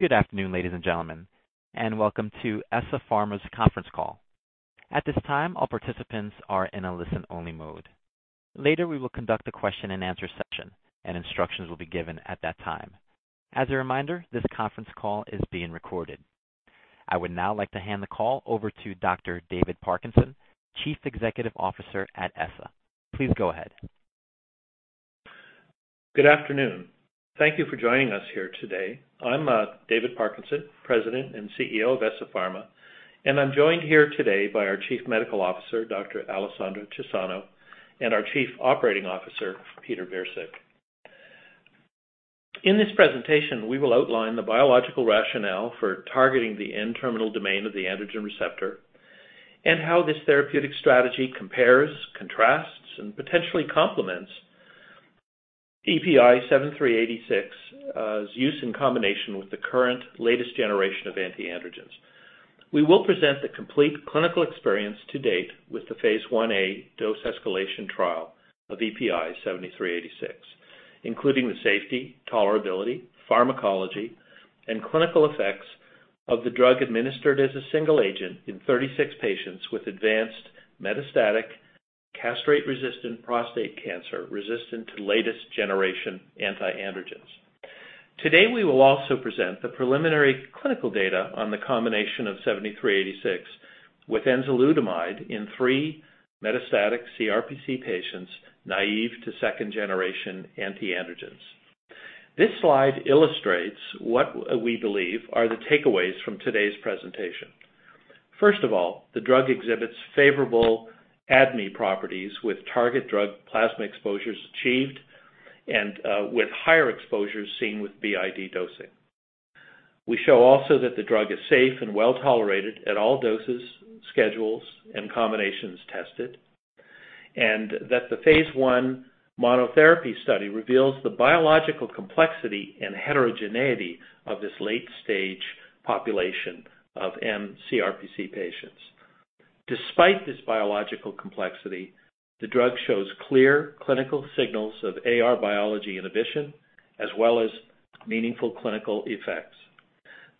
Good afternoon, ladies and gentlemen, and welcome to ESSA Pharma's conference call. At this time, all participants are in a listen-only mode. Later, we will conduct a question and answer session, and instructions will be given at that time. As a reminder, this conference call is being recorded. I would now like to hand the call over to Dr. David Parkinson, Chief Executive Officer at ESSA Pharma. Please go ahead. Good afternoon. Thank you for joining us here today. I'm David Parkinson, President and CEO of ESSA Pharma, and I'm joined here today by our Chief Medical Officer, Dr. Alessandra Cesano, and our Chief Operating Officer, Peter Virsik. In this presentation, we will outline the biological rationale for targeting the N-terminal domain of the androgen receptor and how this therapeutic strategy compares, contrasts, and potentially complements EPI-7386's use in combination with the current latest generation of anti-androgens. We will present the complete clinical experience to date with the phase 1a dose escalation trial of EPI-7386, including the safety, tolerability, pharmacology, and clinical effects of the drug administered as a single agent in 36 patients with advanced metastatic castration-resistant prostate cancer resistant to latest generation anti-androgens. Today, we will also present the preliminary clinical data on the combination of EPI-7386 with enzalutamide in three metastatic CRPC patients naive to second-generation anti-androgens. This slide illustrates what we believe are the takeaways from today's presentation. First of all, the drug exhibits favorable ADME properties with target drug plasma exposures achieved and with higher exposures seen with BID dosing. We show also that the drug is safe and well-tolerated at all doses, schedules, and combinations tested. The phase I monotherapy study reveals the biological complexity and heterogeneity of this late-stage population of mCRPC patients. Despite this biological complexity, the drug shows clear clinical signals of AR biology inhibition, as well as meaningful clinical effects.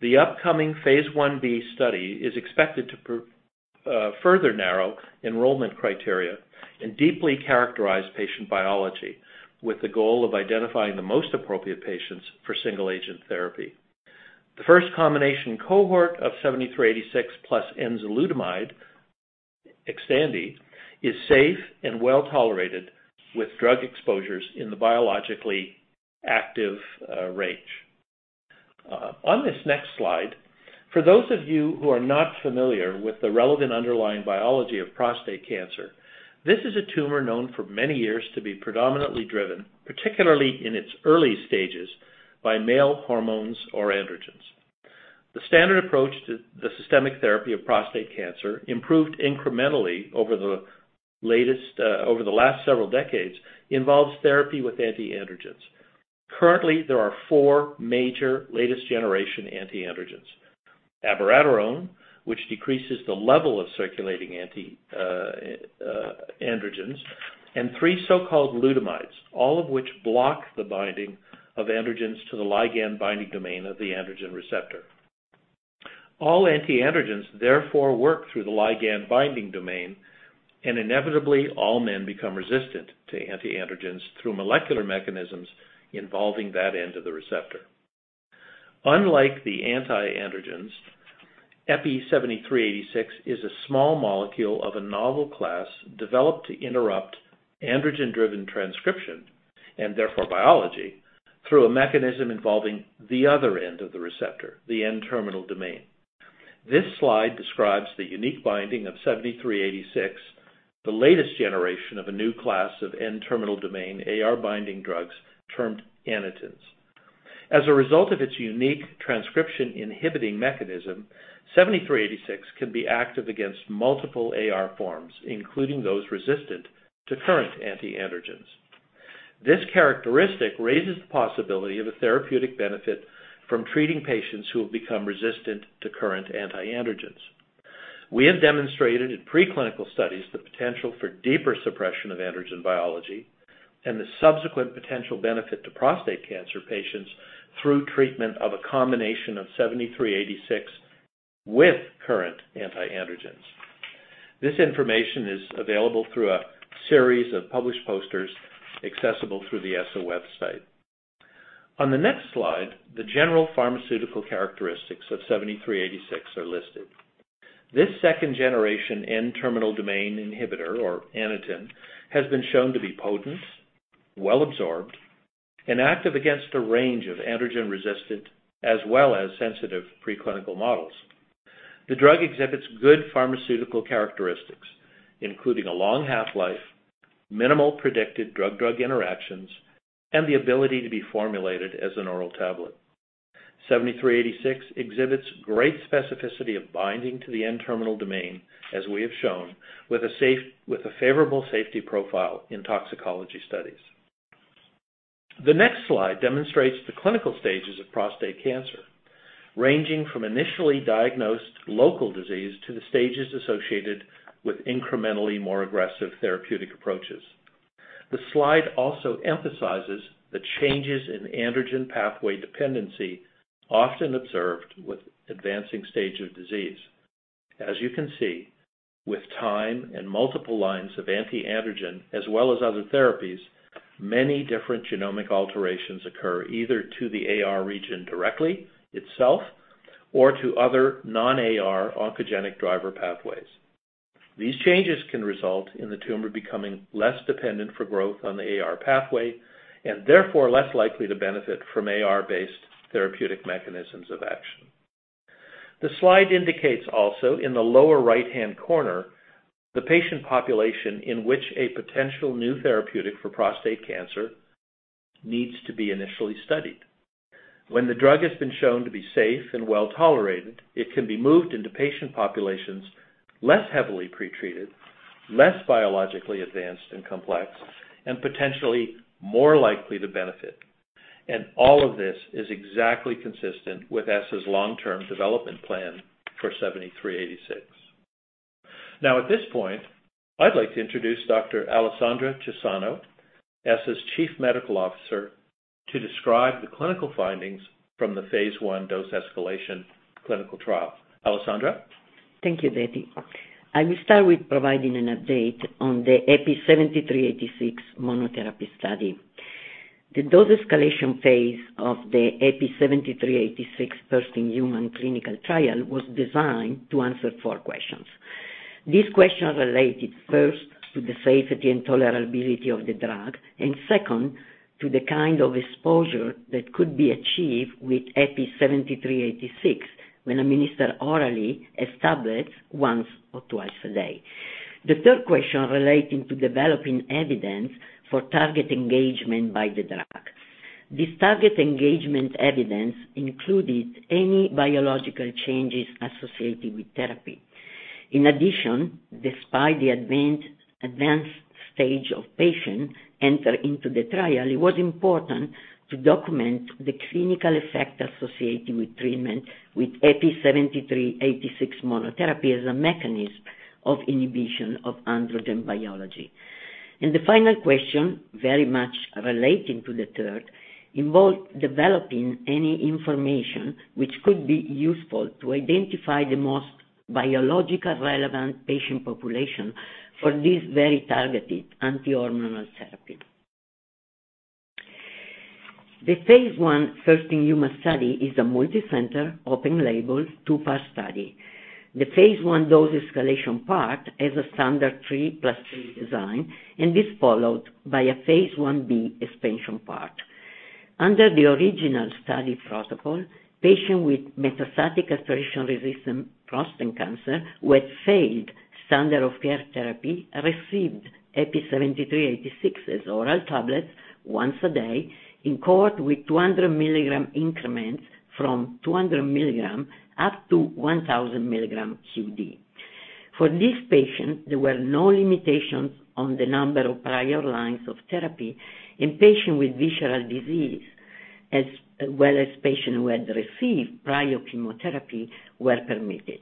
The upcoming phase 1b study is expected to further narrow enrollment criteria and deeply characterize patient biology with the goal of identifying the most appropriate patients for single agent therapy. The first combination cohort of EPI-7386 plus enzalutamide, Xtandi, is safe and well-tolerated with drug exposures in the biologically active range. On this next slide, for those of you who are not familiar with the relevant underlying biology of prostate cancer, this is a tumor known for many years to be predominantly driven, particularly in its early stages, by male hormones or androgens. The standard approach to the systemic therapy of prostate cancer improved incrementally over the last several decades, involves therapy with anti-androgens. Currently, there are four major latest generation anti-androgens. abiraterone, which decreases the level of circulating anti-androgens, and three so-called lutamides, all of which block the binding of androgens to the ligand-binding domain of the androgen receptor. All anti-androgens therefore work through the ligand-binding domain, and inevitably all men become resistant to anti-androgens through molecular mechanisms involving that end of the receptor. Unlike the anti-androgens, EPI-7386 is a small molecule of a novel class developed to interrupt androgen-driven transcription, and therefore biology, through a mechanism involving the other end of the receptor, the N-terminal domain. This slide describes the unique binding of 7386, the latest generation of a new class of N-terminal domain AR binding drugs termed Aniten. As a result of its unique transcription inhibiting mechanism, 7386 can be active against multiple AR forms, including those resistant to current anti-androgens. This characteristic raises the possibility of a therapeutic benefit from treating patients who have become resistant to current anti-androgens. We have demonstrated in preclinical studies the potential for deeper suppression of androgen biology and the subsequent potential benefit to prostate cancer patients through treatment with a combination of EPI-7386 with current anti-androgens. This information is available through a series of published posters accessible through the ESSA website. On the next slide, the general pharmaceutical characteristics of EPI-7386 are listed. This second generation N-terminal domain inhibitor or Aniten has been shown to be potent, well-absorbed, and active against a range of androgen-resistant as well as sensitive preclinical models. The drug exhibits good pharmaceutical characteristics, including a long half-life, minimal predicted drug-drug interactions, and the ability to be formulated as an oral tablet. EPI-7386 exhibits great specificity of binding to the N-terminal domain, as we have shown, with a favorable safety profile in toxicology studies. The next slide demonstrates the clinical stages of prostate cancer, ranging from initially diagnosed local disease to the stages associated with incrementally more aggressive therapeutic approaches. The slide also emphasizes the changes in androgen pathway dependency often observed with advancing stage of disease. As you can see, with time and multiple lines of anti-androgen, as well as other therapies, many different genomic alterations occur either to the AR region directly itself or to other non-AR oncogenic driver pathways. These changes can result in the tumor becoming less dependent for growth on the AR pathway and therefore less likely to benefit from AR-based therapeutic mechanisms of action. The slide indicates also in the lower right-hand corner, the patient population in which a potential new therapeutic for prostate cancer needs to be initially studied. When the drug has been shown to be safe and well-tolerated, it can be moved into patient populations less heavily pretreated, less biologically advanced and complex, and potentially more likely to benefit. All of this is exactly consistent with ESSA's long-term development plan for 7386. Now at this point, I'd like to introduce Dr. Alessandra Cesano, ESSA's Chief Medical Officer, to describe the clinical findings from the phase I dose escalation clinical trial. Alessandra? Thank you, Davey. I will start with providing an update on the EPI-7386 monotherapy study. The dose escalation phase of the EPI-7386 first-in-human clinical trial was designed to answer four questions. These questions related first to the safety and tolerability of the drug, and second to the kind of exposure that could be achieved with EPI-7386 when administered orally as tablets once or twice a day. The third question relating to developing evidence for target engagement by the drug. This target engagement evidence included any biological changes associated with therapy. In addition, despite the advanced stage of patients entering the trial, it was important to document the clinical effect associated with treatment with EPI-7386 monotherapy as a mechanism of inhibition of androgen biology. The final question, very much relating to the third, involved developing any information which could be useful to identify the most biologically relevant patient population for this very targeted anti-hormonal therapy. The phase I first-in-human study is a multicenter, open-label, two-part study. The phase I dose escalation part is a standard 3+3 design and is followed by a phase 1b expansion part. Under the original study protocol, patients with metastatic castration-resistant prostate cancer who had failed standard of care therapy received EPI-7386 as oral tablets once a day in cohorts with 200 mg increments from 200 mg up to 1,000 mg QD. For these patients, there were no limitations on the number of prior lines of therapy in patients with visceral disease, as well as patients who had received prior chemotherapy were permitted.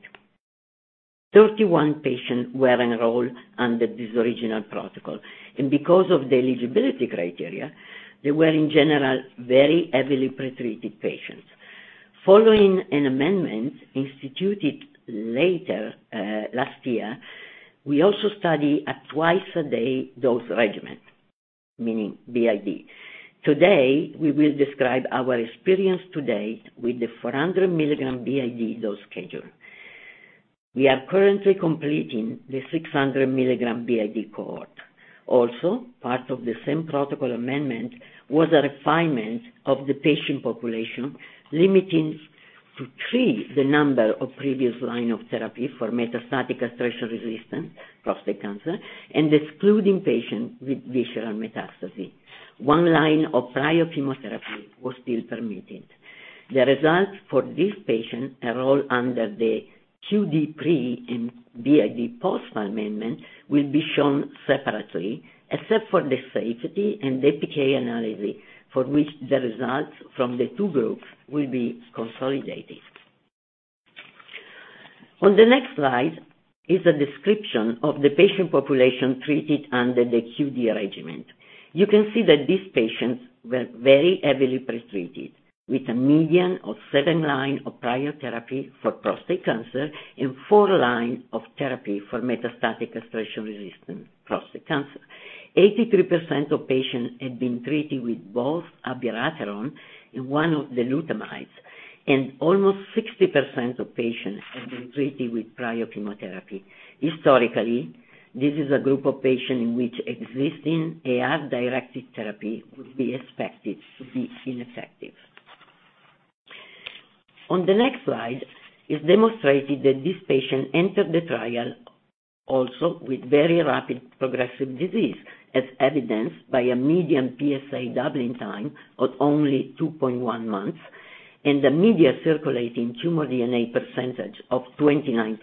31 patients were enrolled under this original protocol, and because of the eligibility criteria, they were in general very heavily pretreated patients. Following an amendment instituted later, last year, we also study a twice-a-day dose regimen, meaning BID. Today, we will describe our experience to date with the 400 mg BID dose schedule. We are currently completing the 600 mg BID cohort. Also, part of the same protocol amendment was a refinement of the patient population, limiting to three the number of previous line of therapy for metastatic castration-resistant prostate cancer and excluding patients with visceral metastasis. One line of prior chemotherapy was still permitted. The results for this patient enrolled under the QD pre and BID post amendment will be shown separately except for the safety and the PK analysis, for which the results from the two groups will be consolidated. On the next slide is a description of the patient population treated under the QD arrangement. You can see that these patients were very heavily pretreated with a median of seven lines of prior therapy for prostate cancer and four lines of therapy for metastatic castration-resistant prostate cancer. 83% of patients had been treated with both abiraterone and one of the lutamides, and almost 60% of patients had been treated with prior chemotherapy. Historically, this is a group of patients in which existing AR-directed therapy would be expected to be ineffective. On the next slide, it's demonstrated that this patient entered the trial also with very rapid progressive disease, as evidenced by a median PSA doubling time of only 2.1 months and a median circulating tumor DNA percentage of 29%.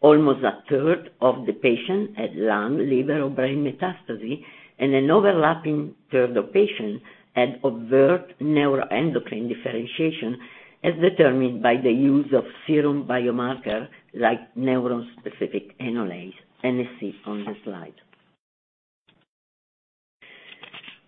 Almost a third of the patients had lung, liver or brain metastasis and an overlapping third of patients had overt neuroendocrine differentiation as determined by the use of serum biomarkers like neuron-specific enolase, NSE on the slide.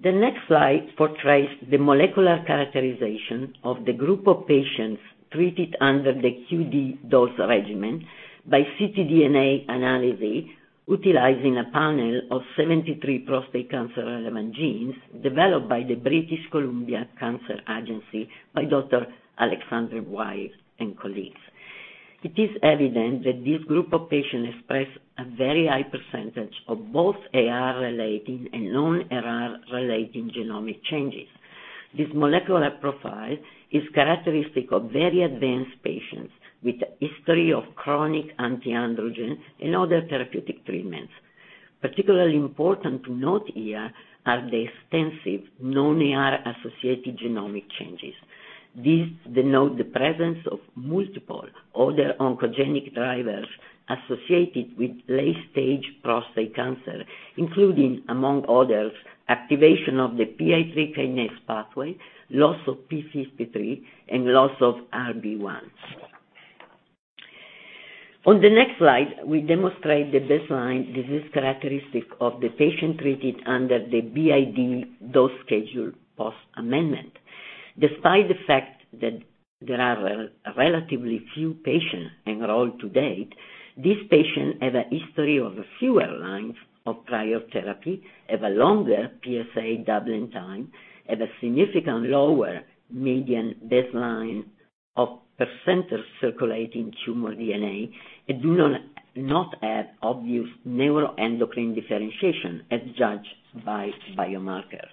The next slide portrays the molecular characterization of the group of patients treated under the QD dose regimen by ctDNA analysis, utilizing a panel of 73 prostate cancer-relevant genes developed by the BC Cancer Agency by Dr. Alexander Wyatt and colleagues. It is evident that this group of patients express a very high percentage of both AR relating and non-AR relating genomic changes. This molecular profile is characteristic of very advanced patients with a history of chronic anti-androgen and other therapeutic treatments. Particularly important to note here are the extensive non-AR associated genomic changes. These denote the presence of multiple other oncogenic drivers associated with late-stage prostate cancer, including, among others, activation of the PI3 kinase pathway, loss of p53, and loss of RB1. On the next slide, we demonstrate the baseline disease characteristic of the patient treated under the BID dose schedule post-amendment. Despite the fact that there are relatively few patients enrolled to date, these patients have a history of fewer lines of prior therapy, have a longer PSA doubling time, have a significantly lower median baseline of percentage circulating tumor DNA, and do not have obvious neuroendocrine differentiation as judged by biomarkers.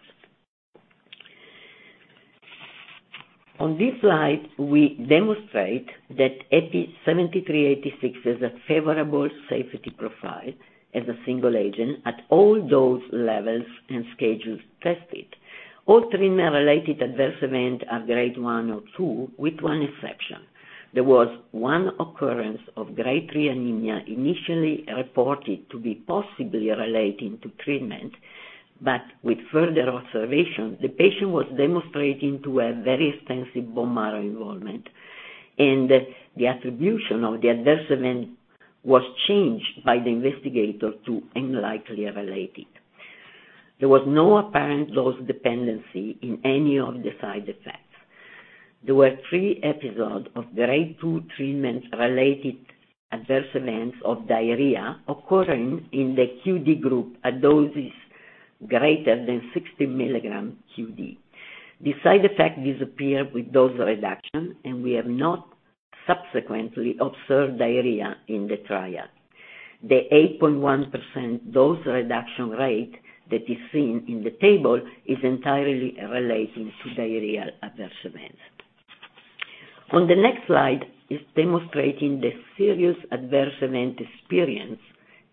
On this slide, we demonstrate that EPI-7386 has a favorable safety profile as a single agent at all dose levels and schedules tested. All treatment-related adverse events are Grade one or two, with one exception. There was one occurrence of Grade three anemia initially reported to be possibly relating to treatment, but with further observation, the patient was demonstrating to have very extensive bone marrow involvement, and the attribution of the adverse event was changed by the investigator to unlikely related. There was no apparent dose dependency in any of the side effects. There were three episodes of Grade two treatment-related adverse events of diarrhea occurring in the QD group at doses greater than 60 mg QD. The side effects disappeared with dose reduction, and we have not subsequently observed diarrhea in the trial. The 8.1% dose reduction rate that is seen in the table is entirely relating to diarrhea adverse events. On the next slide is demonstrating the serious adverse event experience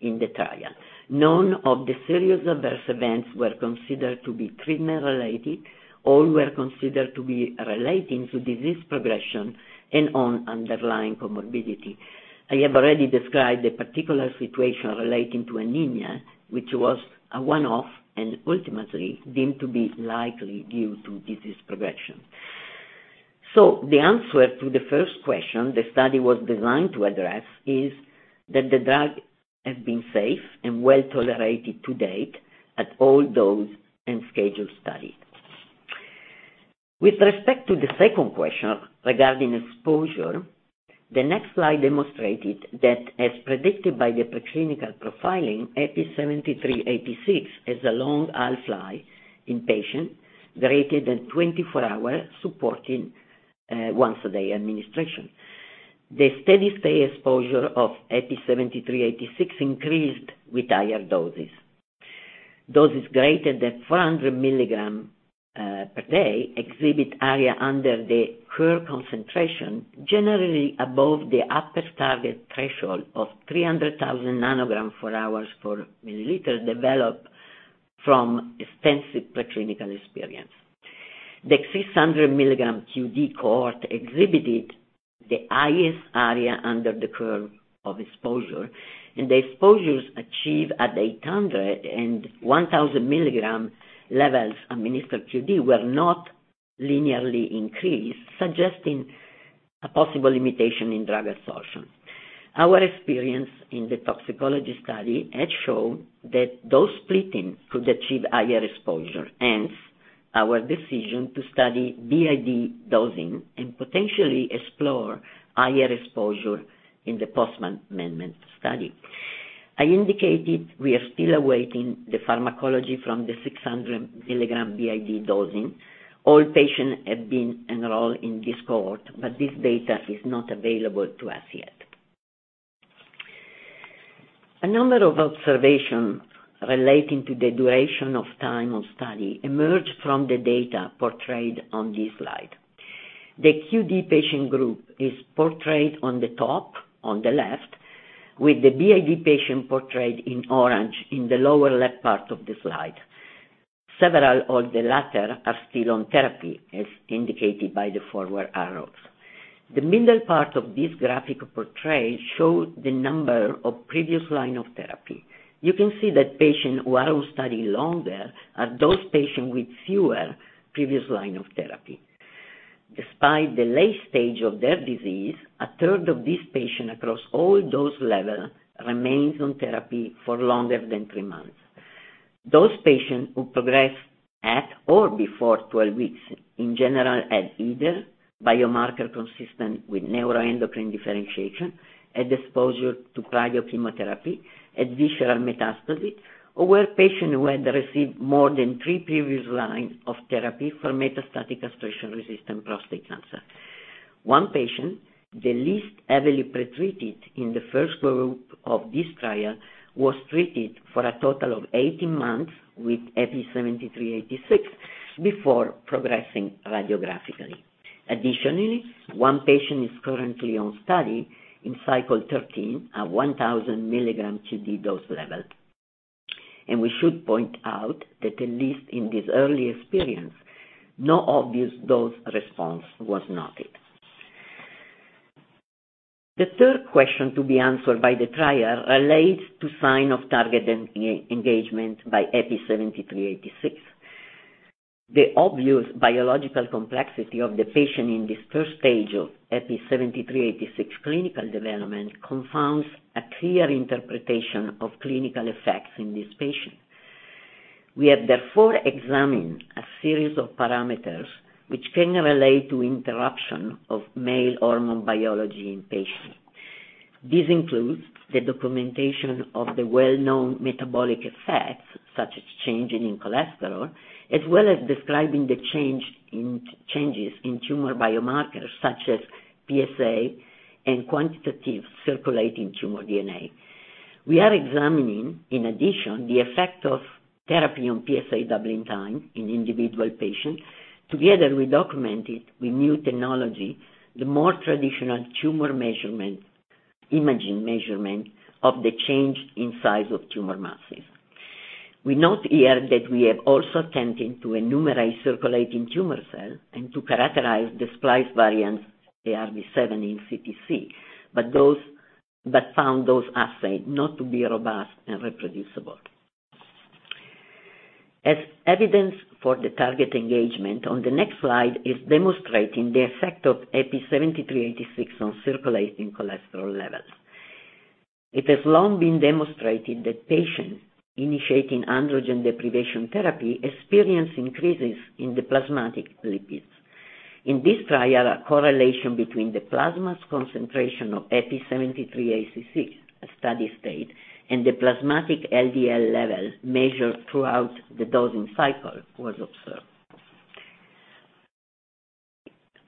in the trial. None of the serious adverse events were considered to be treatment-related. All were considered to be relating to disease progression and/or underlying comorbidity. I have already described the particular situation relating to anemia, which was a one-off and ultimately deemed to be likely due to disease progression. The answer to the first question the study was designed to address is that the drug has been safe and well-tolerated to date at all dose and schedule studied. With respect to the second question regarding exposure, the next slide demonstrated that as predicted by the preclinical profiling, EPI-7386 has a long half-life in patients, greater than 24 hours, supporting once a day administration. The steady-state exposure of EPI-7386 increased with higher doses. Doses greater than 400 mg per day exhibit area under the curve concentration generally above the upper target threshold of 300,000 nanograms hours per milliliter developed from extensive preclinical experience. The 600 mg QD cohort exhibited the highest area under the curve of exposure, and the exposures achieved at 800 and 1,000 mg levels administered QD were not linearly increased, suggesting a possible limitation in drug absorption. Our experience in the toxicology study had shown that dose splitting could achieve higher exposure, hence our decision to study BID dosing and potentially explore higher exposure in the post-amendment study. I indicated we are still awaiting the pharmacology from the 600 mg BID dosing. All patients have been enrolled in this cohort, but this data is not available to us yet. A number of observations relating to the duration of time of study emerged from the data portrayed on this slide. The QD patient group is portrayed on the top on the left, with the BID patient portrayed in orange in the lower left part of the slide. Several of the latter are still on therapy, as indicated by the forward arrows. The middle part of this graphic portrayal shows the number of previous lines of therapy. You can see that patients who are on study longer are those patients with fewer previous lines of therapy. Despite the late stage of their disease, a third of these patients across all dose levels remain on therapy for longer than three months. Those patients who progress at or before 12 weeks in general had either biomarkers consistent with neuroendocrine differentiation and exposure to prior chemotherapy and visceral metastasis, or were patients who had received more than three previous lines of therapy for metastatic castration-resistant prostate cancer. One patient, the least heavily pretreated in the first group of this trial, was treated for a total of 18 months with EPI-7386 before progressing radiographically. Additionally, one patient is currently on study in cycle 13 at 1000 mg QD dose level. We should point out that at least in this early experience, no obvious dose response was noted. The third question to be answered by the trial relates to sign of target engagement by EPI-7386. The obvious biological complexity of the patient in this first stage of EPI-7386 clinical development confounds a clear interpretation of clinical effects in this patient. We have therefore examined a series of parameters which can relate to interruption of male hormone biology in patients. This includes the documentation of the well-known metabolic effects, such as changes in cholesterol, as well as describing the changes in tumor biomarkers such as PSA and quantitative circulating tumor DNA. We are examining, in addition, the effect of therapy on PSA doubling time in individual patients. Together, we documented with new technology the more traditional tumor measurement, imaging measurement of the change in size of tumor masses. We note here that we have also attempted to enumerate circulating tumor cells and to characterize the splice variants AR-V7 in CTC, but found those assays not to be robust and reproducible. As evidence for the target engagement, on the next slide is demonstrating the effect of EPI-7386 on circulating cholesterol levels. It has long been demonstrated that patients initiating androgen deprivation therapy experience increases in the plasma lipids. In this trial, a correlation between the plasma concentration of EPI-7386 at steady-state and the plasma LDL level measured throughout the dosing cycle was observed.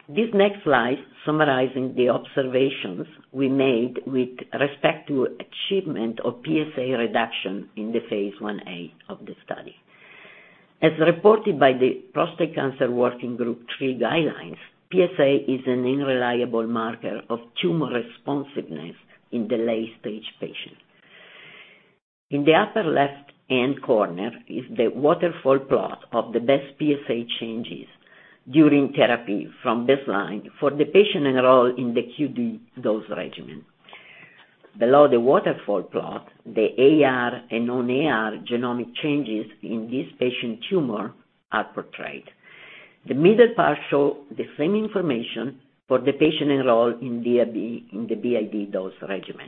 This next slide summarizing the observations we made with respect to achievement of PSA reduction in the phase 1a of the study. As reported by the PCWG3 guidelines, PSA is an unreliable marker of tumor responsiveness in the late-stage patient. In the upper left-hand corner is the waterfall plot of the best PSA changes during therapy from baseline for the patient enrolled in the QD dose regimen. Below the waterfall plot, the AR and non-AR genomic changes in this patient tumor are portrayed. The middle part show the same information for the patient enrolled in the BID dose regimen.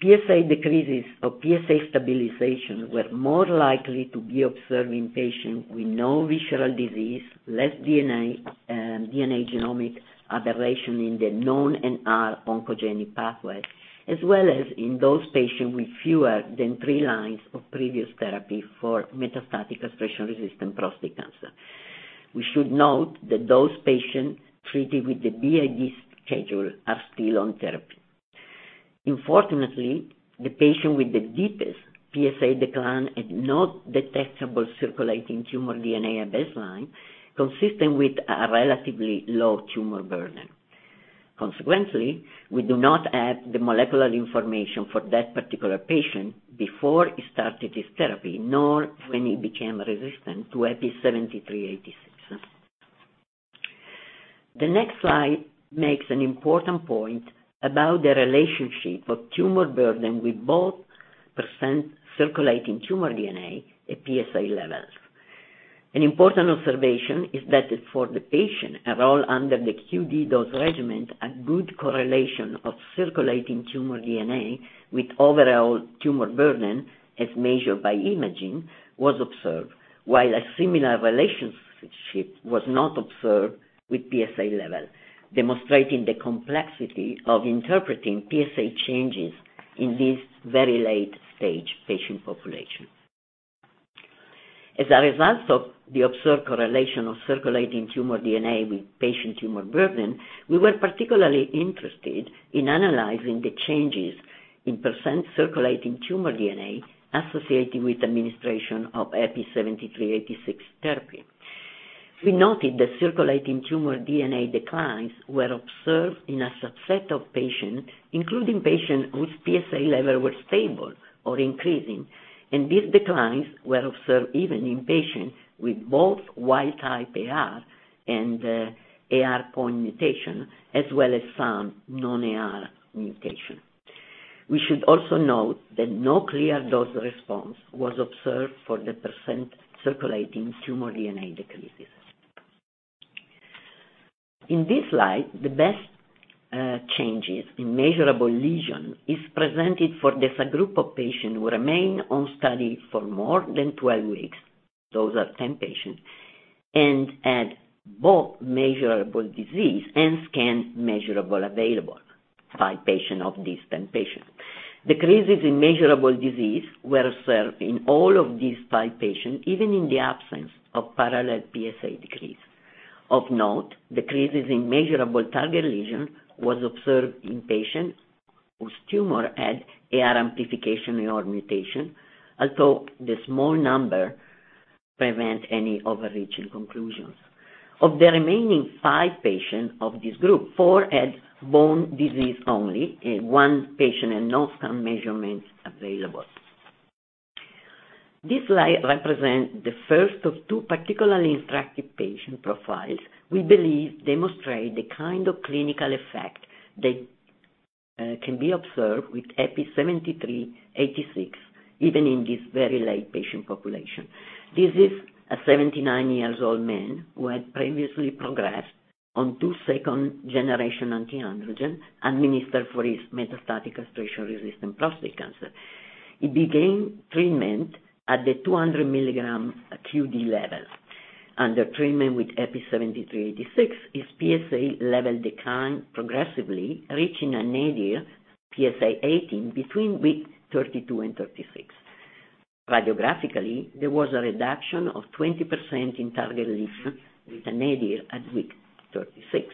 PSA decreases or PSA stabilization were more likely to be observed in patients with no visceral disease, less DNA genomic aberration in the known and AR oncogenic pathways, as well as in those patients with fewer than three lines of previous therapy for metastatic castration-resistant prostate cancer. We should note that those patients treated with the BID schedule are still on therapy. Unfortunately, the patient with the deepest PSA decline had no detectable circulating tumor DNA at baseline, consistent with a relatively low tumor burden. Consequently, we do not have the molecular information for that particular patient before he started his therapy, nor when he became resistant to EPI-7386. The next slide makes an important point about the relationship of tumor burden with both percent circulating tumor DNA and PSA levels. An important observation is that for patients overall under the QD dose regimen a good correlation of circulating tumor DNA with overall tumor burden, as measured by imaging, was observed. While a similar relationship was not observed with PSA level, demonstrating the complexity of interpreting PSA changes in this very late-stage patient population. As a result of the observed correlation of circulating tumor DNA with patient tumor burden, we were particularly interested in analyzing the changes in percent circulating tumor DNA associated with administration of EPI-7386 therapy. We noted that circulating tumor DNA declines were observed in a subset of patients, including patients whose PSA levels were stable or increasing, and these declines were observed even in patients with both AR-V7 and AR point mutation, as well as some non-AR mutation. We should also note that no clear dose response was observed for the percent circulating tumor DNA decreases. In this slide, the best changes in measurable lesion is presented for the subgroup of patients who remain on study for more than 12 weeks. Those are 10 patients and had both measurable disease and scan measurable available. Five patients of these 10 patients. Decreases in measurable disease were observed in all of these five patients, even in the absence of parallel PSA decrease. Of note, decreases in measurable target lesion was observed in patients whose tumor had AR amplification or mutation, although the small number prevent any overreaching conclusions. Of the remaining five patients of this group, four had bone disease only and one patient had no scan measurements available. This slide represents the first of two particularly instructive patient profiles we believe demonstrate the kind of clinical effect that can be observed with EPI-7386, even in this very late patient population. This is a 79-year-old man who had previously progressed on two second-generation anti-androgen administered for his metastatic castration-resistant prostate cancer. He began treatment at the 200 mg QD level. Under treatment with EPI-7386, his PSA level declined progressively, reaching a nadir PSA 18 between week 32 and 36. Radiographically, there was a reduction of 20% in target lesion with a nadir at week 36.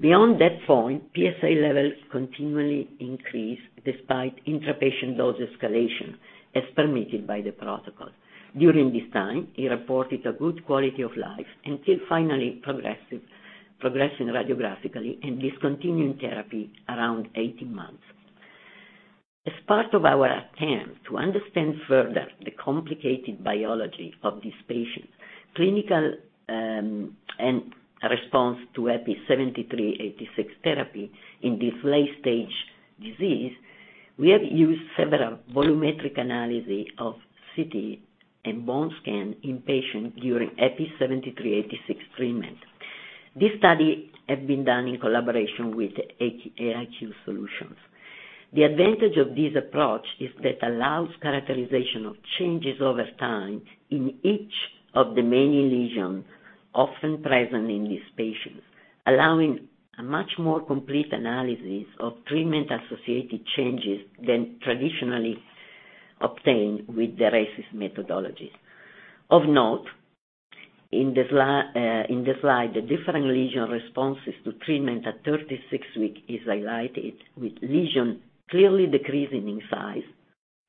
Beyond that point, PSA levels continually increased despite intra-patient dose escalation, as permitted by the protocol. During this time, he reported a good quality of life until finally progressing radiographically and discontinuing therapy around 18 months. As part of our attempt to understand further the complicated biology of this patient, clinical, and response to EPI-7386 therapy in this late stage disease, we have used several volumetric analysis of CT and bone scan in patients during EPI-7386 treatment. This study has been done in collaboration with AIQ Solutions. The advantage of this approach is that allows characterization of changes over time in each of the many lesions often present in these patients, allowing a much more complete analysis of treatment-associated changes than traditionally obtained with the RECIST methodologies. Of note, in this slide, the different lesion responses to treatment at 36-week is highlighted, with lesions clearly decreasing in size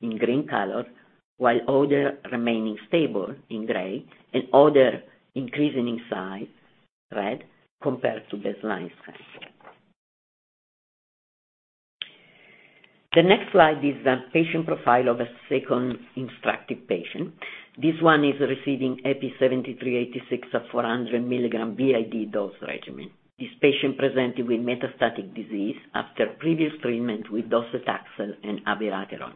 in green color, while others remaining stable in gray and others increasing in size, red, compared to baseline scan. The next slide is the patient profile of a second instructive patient. This one is receiving EPI-7386 of 400 mg BID dose regimen. This patient presented with metastatic disease after previous treatment with docetaxel and abiraterone.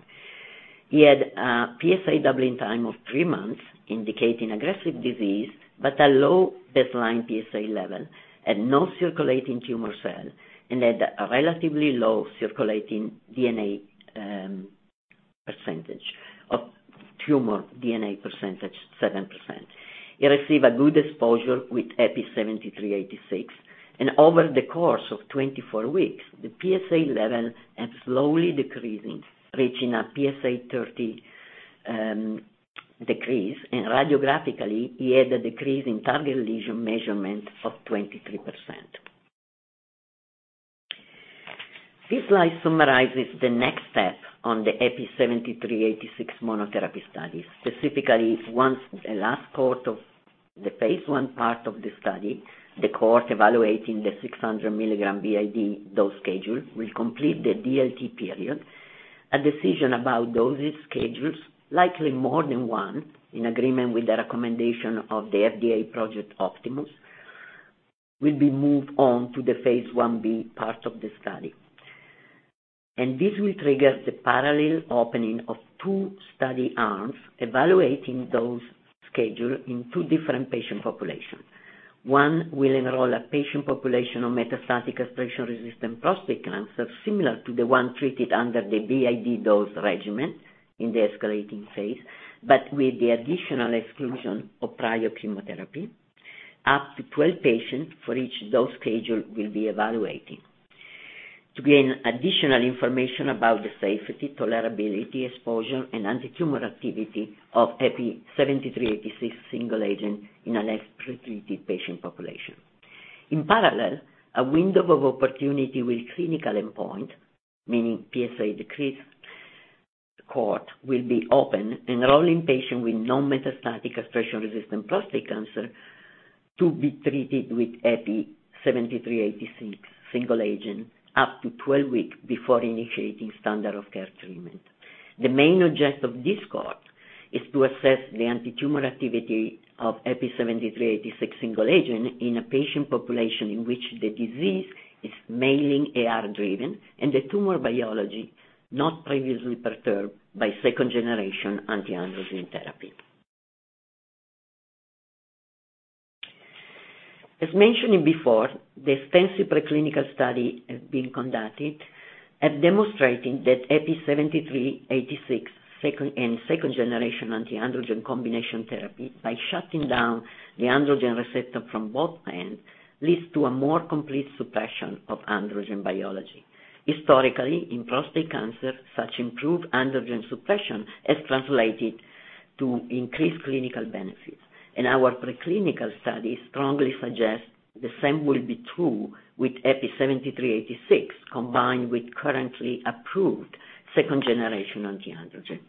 He had a PSA doubling time of three months, indicating aggressive disease, but a low baseline PSA level and no circulating tumor cell and had a relatively low circulating tumor DNA percentage, 7%. He received a good exposure with EPI-7386, and over the course of 24 weeks, the PSA level has slowly decreasing, reaching a PSA30 decrease, and radiographically, he had a decrease in target lesion measurement of 23%. This slide summarizes the next step on the EPI-7386 monotherapy study. Specifically, once the last cohort of the phase I part of the study, the cohort evaluating the 600 mg BID dose schedule, will complete the DLT period, a decision about dosage schedules, likely more than one, in agreement with the recommendation of the FDA Project Optimus, will be made on to the phase 1b part of the study. This will trigger the parallel opening of two study arms evaluating dose schedule in two different patient populations. One will enroll a patient population of metastatic castration-resistant prostate cancer similar to the one treated under the BID dose regimen in the escalating phase, but with the additional exclusion of prior chemotherapy. Up to 12 patients for each dose schedule will be evaluated to gain additional information about the safety, tolerability, exposure and antitumor activity of EPI-7386 single agent in a less pretreated patient population. In parallel, a window of opportunity with clinical endpoint, meaning PSA decrease cohort, will be open, enrolling patients with non-metastatic castration-resistant prostate cancer to be treated with EPI-7386 single agent up to 12 weeks before initiating standard of care treatment. The main objective of this cohort is to assess the antitumor activity of EPI-7386 single agent in a patient population in which the disease is mainly AR driven and the tumor biology not previously perturbed by second-generation anti-androgen therapy. As mentioned before, extensive preclinical studies have been conducted, demonstrating that EPI-7386 with second-generation anti-androgen combination therapy by shutting down the androgen receptor from both ends, leads to a more complete suppression of androgen biology. Historically, in prostate cancer, such improved androgen suppression has translated to increased clinical benefits, and our preclinical studies strongly suggest the same will be true with EPI-7386 combined with currently approved second-generation anti-androgen.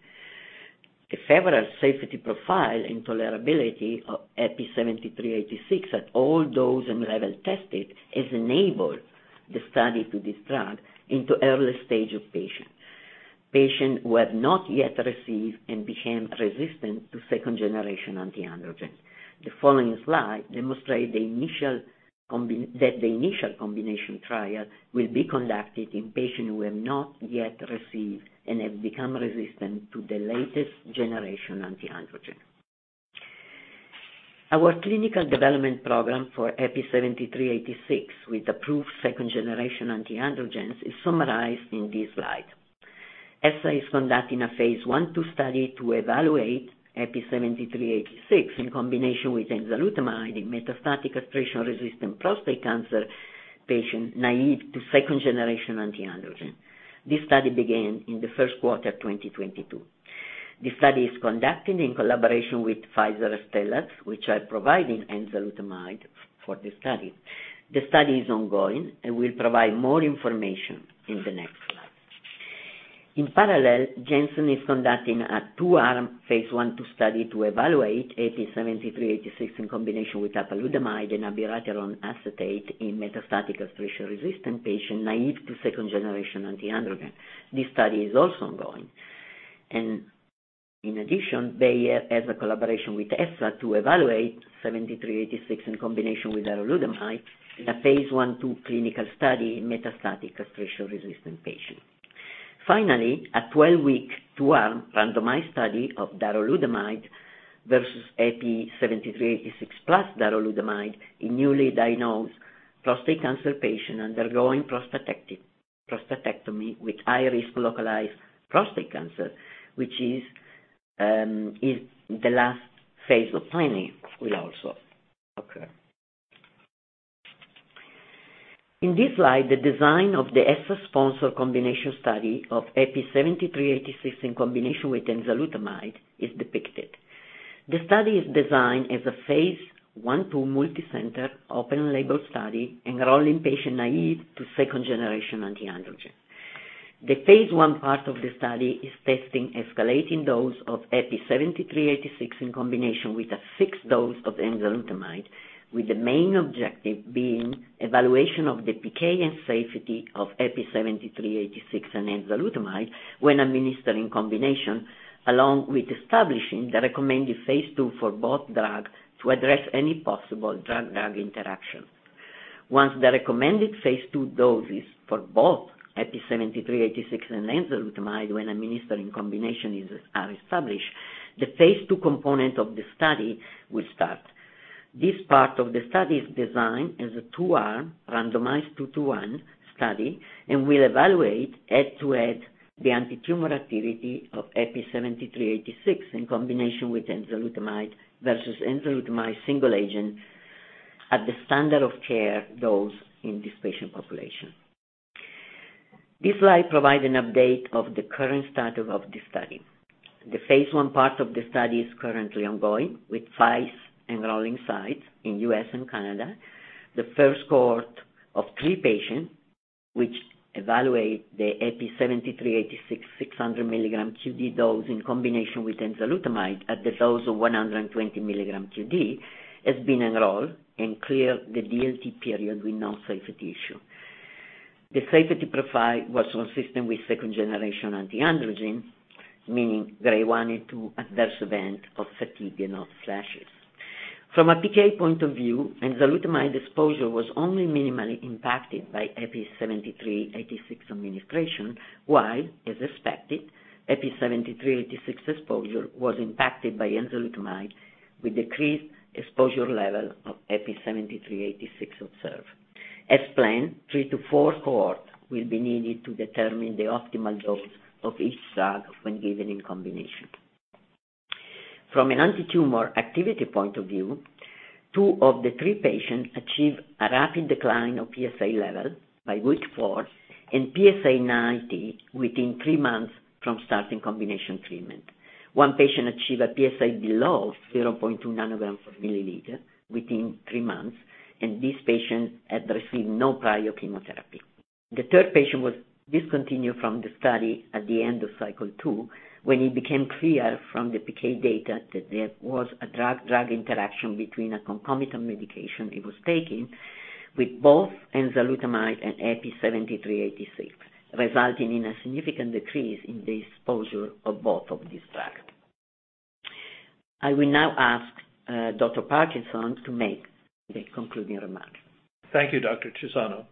The favorable safety profile and tolerability of EPI-7386 at all doses and levels tested has enabled the study of this drug in early-stage patients who have not yet received and become resistant to second-generation anti-androgen. The following slide demonstrates that the initial combination trial will be conducted in patients who have not yet received and have become resistant to the latest generation anti-androgen. Our clinical development program for EPI-7386 with approved second-generation anti-androgens is summarized in this slide. ESSA is conducting a phase I or II study to evaluate EPI-7386 in combination with enzalutamide in metastatic castration-resistant prostate cancer patients naive to second-generation anti-androgen. This study began in the first quarter 2022. The study is conducted in collaboration with Pfizer and Astellas, which are providing enzalutamide for the study. The study is ongoing and will provide more information in the next slide. In parallel, Janssen is conducting a 2-arm phase I or II study to evaluate EPI-7386 in combination with apalutamide and abiraterone acetate in metastatic castration-resistant patients naive to second-generation anti-androgen. This study is also ongoing. In addition, Bayer has a collaboration with ESSA to evaluate 7386 in combination with darolutamide in a phase I or II clinical study in metastatic castration-resistant patients. Finally, a 12-week two-arm randomized study of darolutamide versus EPI-7386 plus darolutamide in newly diagnosed prostate cancer patients undergoing prostatectomy with high-risk localized prostate cancer, which is the last phase of planning, will also occur. In this slide, the design of the ESSA-sponsored combination study of EPI-7386 in combination with enzalutamide is depicted. The study is designed as a phase I or II multicenter open label study enrolling patients naive to second-generation anti-androgen. The phase I part of the study is testing escalating dose of EPI-7386 in combination with a fixed dose of enzalutamide, with the main objective being evaluation of the PK and safety of EPI-7386 and enzalutamide when administered in combination, along with establishing the recommended phase II for both drugs to address any possible drug-drug interaction. Once the recommended phase II doses for both EPI-7386 and enzalutamide when administered in combination are established, the phase II component of the study will start. This part of the study is designed as a 2-arm randomized 2-to-1 study and will evaluate head-to-head the antitumor activity of EPI-7386 in combination with enzalutamide versus enzalutamide single agent at the standard of care dose in this patient population. This slide provides an update of the current status of the study. The phase I part of the study is currently ongoing, with five enrolling sites in U.S. and Canada. The first cohort of three patients, which evaluate the EPI-7386 600 mg QD dose in combination with enzalutamide at the dose of 120 mg QD, has been enrolled and cleared the DLT period with no safety issue. The safety profile was consistent with second-generation anti-androgen, meaning grade one and two adverse event of fatigue and hot flashes. From a PK point of view, enzalutamide exposure was only minimally impacted by EPI-7386 administration, while, as expected, EPI-7386 exposure was impacted by enzalutamide, with decreased exposure level of EPI-7386 observed. As planned, three to four cohort will be needed to determine the optimal dose of each drug when given in combination. From an antitumor activity point of view, two of the three patients achieved a rapid decline of PSA level by week four and PSA90 within three months from starting combination treatment. One patient achieved a PSA below 0.2 nanograms per milliliter within three months, and this patient had received no prior chemotherapy. The third patient was discontinued from the study at the end of cycle two, when it became clear from the PK data that there was a drug-drug interaction between a concomitant medication he was taking with both enzalutamide and EPI-7386, resulting in a significant decrease in the exposure of both of these drugs. I will now ask Dr. Parkinson to make the concluding remarks. Thank you, Dr. Cesano.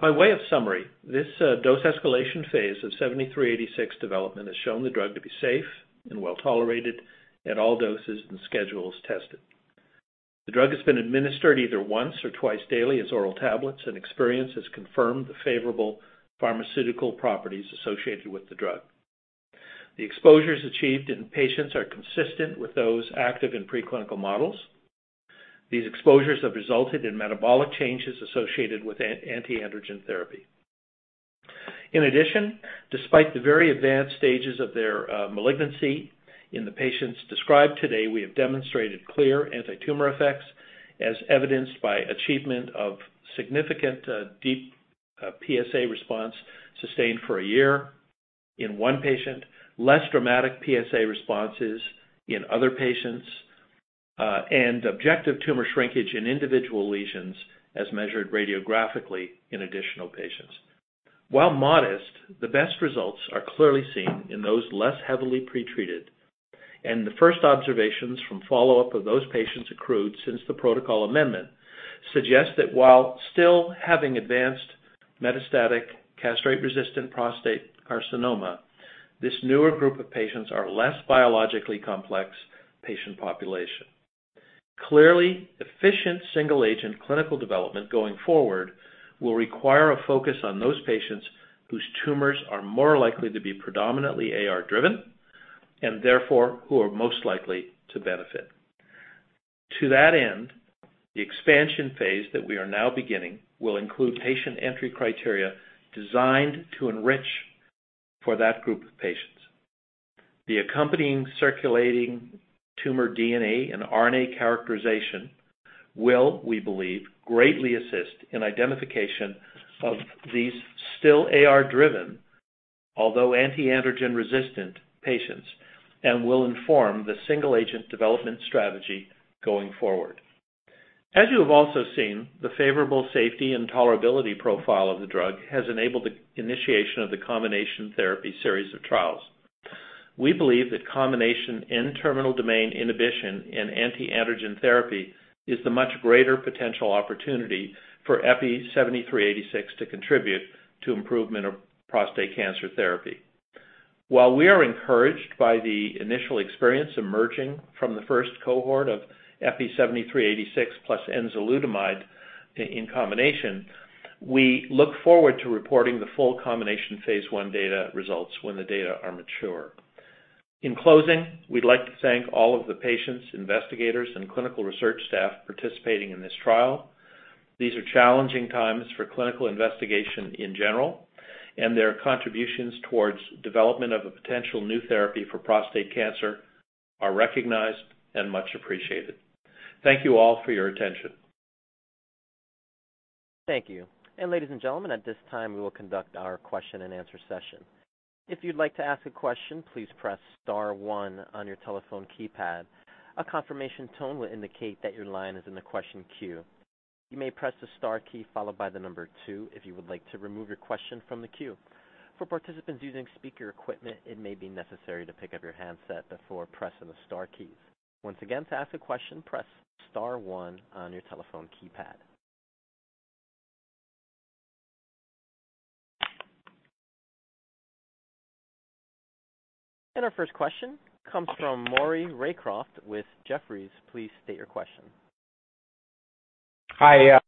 By way of summary, this dose escalation phase of 7386 development has shown the drug to be safe and well-tolerated at all doses and schedules tested. The drug has been administered either once or twice daily as oral tablets, and experience has confirmed the favorable pharmaceutical properties associated with the drug. The exposures achieved in patients are consistent with those active in preclinical models. These exposures have resulted in metabolic changes associated with anti-androgen therapy. In addition, despite the very advanced stages of their malignancy in the patients described today, we have demonstrated clear antitumor effects as evidenced by achievement of significant deep PSA response sustained for a year in one patient, less dramatic PSA responses in other patients, and objective tumor shrinkage in individual lesions as measured radiographically in additional patients. While modest, the best results are clearly seen in those less heavily pretreated, and the first observations from follow-up of those patients accrued since the protocol amendment suggest that while still having advanced metastatic castration-resistant prostate carcinoma, this newer group of patients are less biologically complex patient population. Clearly, efficient single-agent clinical development going forward will require a focus on those patients whose tumors are more likely to be predominantly AR driven and therefore who are most likely to benefit. To that end, the expansion phase that we are now beginning will include patient entry criteria designed to enrich for that group of patients. The accompanying circulating tumor DNA and RNA characterization will, we believe, greatly assist in identification of these still AR-driven, although anti-androgen-resistant patients and will inform the single-agent development strategy going forward. As you have also seen, the favorable safety and tolerability profile of the drug has enabled the initiation of the combination therapy series of trials. We believe that combination N-terminal domain inhibition and anti-androgen therapy is the much greater potential opportunity for EPI-7386 to contribute to improvement of prostate cancer therapy. While we are encouraged by the initial experience emerging from the first cohort of EPI-7386 plus enzalutamide in combination, we look forward to reporting the full combination phase I data results when the data are mature. In closing, we'd like to thank all of the patients, investigators, and clinical research staff participating in this trial. These are challenging times for clinical investigation in general, and their contributions towards development of a potential new therapy for prostate cancer are recognized and much appreciated. Thank you all for your attention. Thank you. Ladies and gentlemen, at this time, we will conduct our question-and-answer session. If you'd like to ask a question, please press star one on your telephone keypad. A confirmation tone will indicate that your line is in the question queue. You may press the star key followed by the number two if you would like to remove your question from the queue. For participants using speaker equipment, it may be necessary to pick up your handset before pressing the star keys. Once again, to ask a question, press star one on your telephone keypad. Our first question comes from Maury Raycroft with Jefferies. Please state your question. Hi.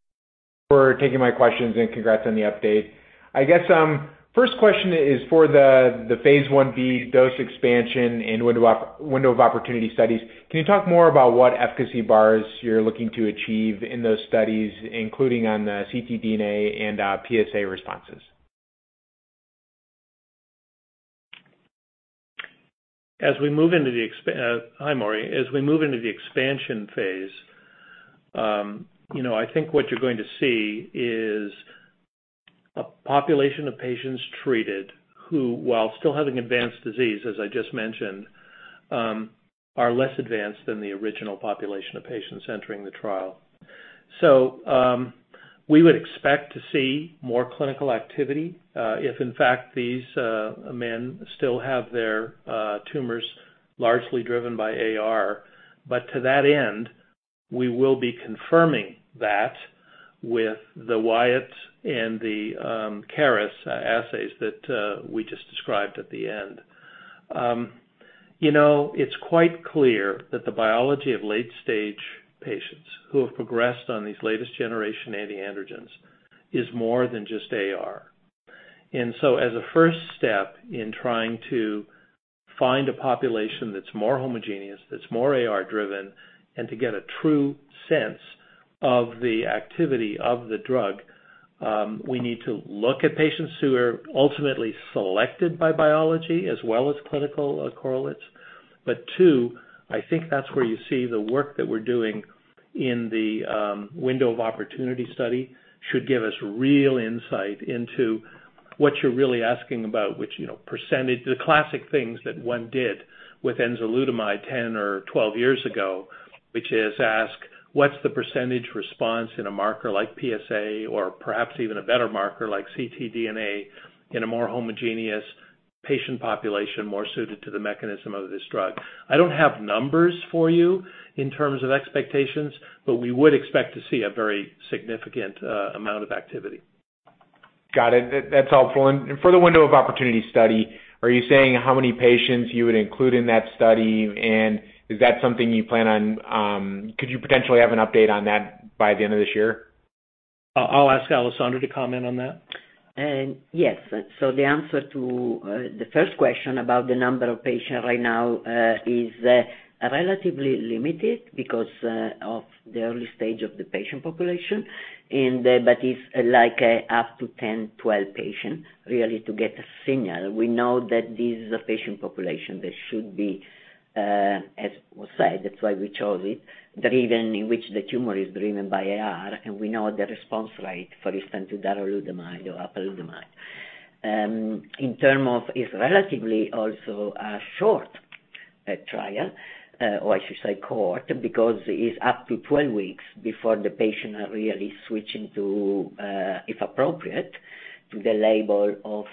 For taking my questions and congrats on the update. I guess, first question is for the phase 1b dose expansion and window of opportunity studies. Can you talk more about what efficacy bars you're looking to achieve in those studies, including on the ctDNA and PSA responses? Hi, Maury. As we move into the expansion phase, you know, I think what you're going to see is a population of patients treated who, while still having advanced disease, as I just mentioned, are less advanced than the original population of patients entering the trial. We would expect to see more clinical activity, if in fact these men still have their tumors largely driven by AR. To that end, we will be confirming that with the Wyatt and the Caris assays that we just described at the end. You know, it's quite clear that the biology of late-stage patients who have progressed on these latest generation anti-androgens is more than just AR. As a first step in trying to find a population that's more homogeneous, that's more AR driven, and to get a true sense of the activity of the drug, we need to look at patients who are ultimately selected by biology as well as clinical correlates. But two, I think that's where you see the work that we're doing in the window of opportunity study. It should give us real insight into what you're really asking about, which, you know, the percentage response. The classic things that one did with enzalutamide 10 or 12 years ago, which is ask what's the percentage response in a marker like PSA or perhaps even a better marker like ctDNA in a more homogeneous patient population, more suited to the mechanism of this drug. I don't have numbers for you in terms of expectations, but we would expect to see a very significant amount of activity. Got it. That's helpful. For the window of opportunity study, are you saying how many patients you would include in that study? Is that something you plan on, could you potentially have an update on that by the end of this year? I'll ask Alessandra to comment on that. Yes. The answer to the first question about the number of patients right now is relatively limited because of the early stage of the patient population. It is like up to 10, 12 patients really to get a signal. We know that this is a patient population that should be, as was said, that's why we chose it, driven in which the tumor is driven by AR, and we know the response rate, for instance, to darolutamide or apalutamide. In terms of, it is relatively also a short trial, or I should say cohort, because it's up to 12 weeks before the patients are really switching to, if appropriate, to the label of,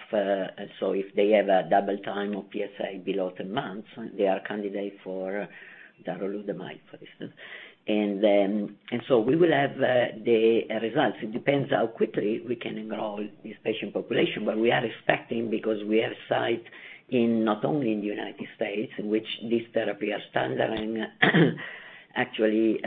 so if they have a doubling time of PSA below 10 months, they are candidates for darolutamide, for instance. We will have the results. It depends how quickly we can enroll this patient population, but we are expecting because we have sites in not only in the United States, in which this therapy are standard and actually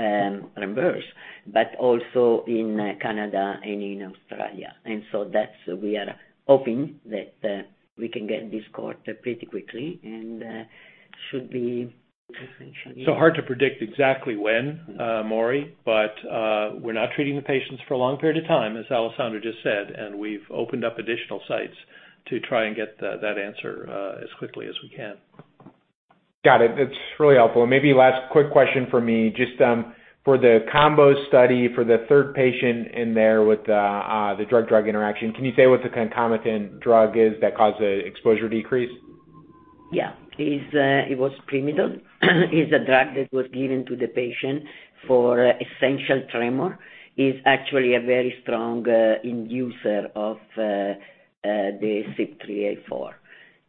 reimbursed, but also in Canada and in Australia. That we are hoping that we can get this cohort pretty quickly and should be essentially. Hard to predict exactly when, Maury. We're not treating the patients for a long period of time, as Alessandra just said, and we've opened up additional sites to try and get that answer as quickly as we can. Got it. That's really helpful. Maybe last quick question from me. Just, for the combo study for the third patient in there with the drug-drug interaction, can you say what the concomitant drug is that caused the exposure decrease? Yeah. It was primidone, a drug that was given to the patient for essential tremor. It is actually a very strong inducer of the CYP3A4.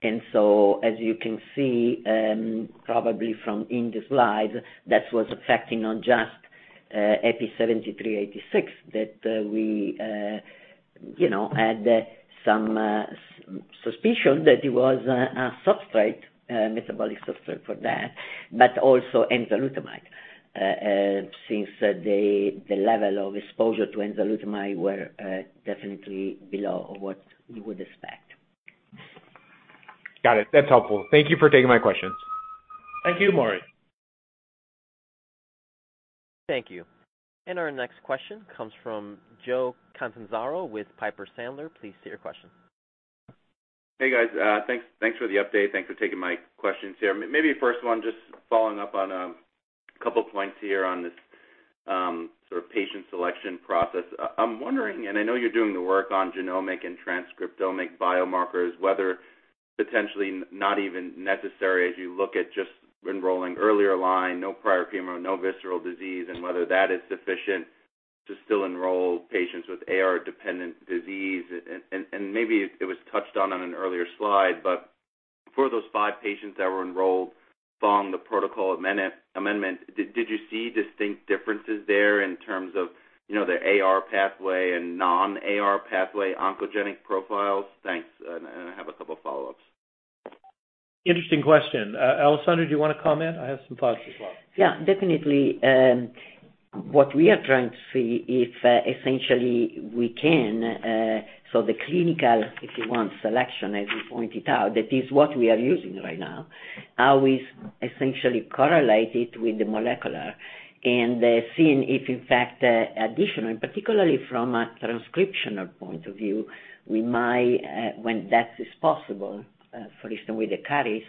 As you can see, probably from the slides, that was affecting just EPI-7386 that we you know had some suspicion that it was a metabolic substrate for that, but also enzalutamide since the level of exposure to enzalutamide were definitely below what you would expect. Got it. That's helpful. Thank you for taking my questions. Thank you, Maury. Thank you. Our next question comes from Joseph Catanzaro with Piper Sandler. Please state your question. Hey, guys. Thanks for the update. Thanks for taking my questions here. Maybe first one, just following up on a couple of points here on this sort of patient selection process. I'm wondering, and I know you're doing the work on genomic and transcriptomic biomarkers, whether potentially not even necessary as you look at just enrolling earlier line, no prior chemo, no visceral disease, and whether that is sufficient to still enroll patients with AR-dependent disease. Maybe it was touched on on an earlier slide, but for those five patients that were enrolled following the protocol amendment, did you see distinct differences there in terms of, you know, their AR pathway and non-AR pathway oncogenic profiles? Thanks. I have a couple of follow-ups. Interesting question. Alessandra, do you want to comment? I have some thoughts as well. Yeah, definitely. What we are trying to see if essentially we can, so the clinical, if you want, selection, as you pointed out, that is what we are using right now. How is essentially correlated with the molecular and seeing if in fact additional, and particularly from a transcriptional point of view, we might when that is possible, for instance, with the Caris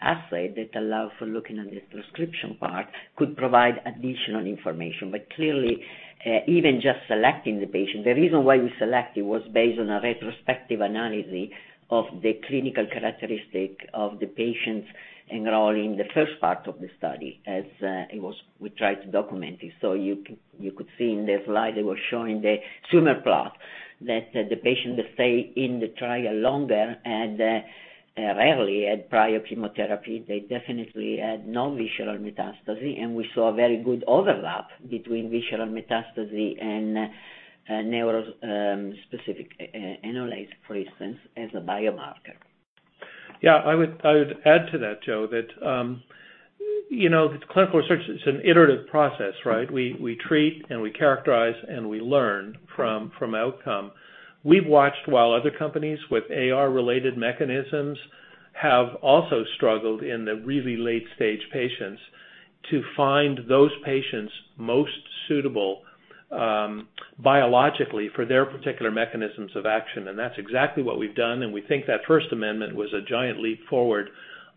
assay that allow for looking at the transcription part could provide additional information. Clearly, even just selecting the patient, the reason why we selected was based on a retrospective analysis of the clinical characteristic of the patients enrolling the first part of the study as it was. We tried to document it. You could see in the slide they were showing the tumor plot that the patient that stay in the trial longer rarely had prior chemotherapy. They definitely had no visceral metastasis, and we saw a very good overlap between visceral metastasis and neuron-specific enolase, for instance, as a biomarker. Yeah. I would add to that, Joe, that you know, clinical research is an iterative process, right? We treat and we characterize and we learn from outcome. We've watched while other companies with AR-related mechanisms have also struggled in the really late stage patients to find those patients most suitable, biologically for their particular mechanisms of action. That's exactly what we've done, and we think that first amendment was a giant leap forward.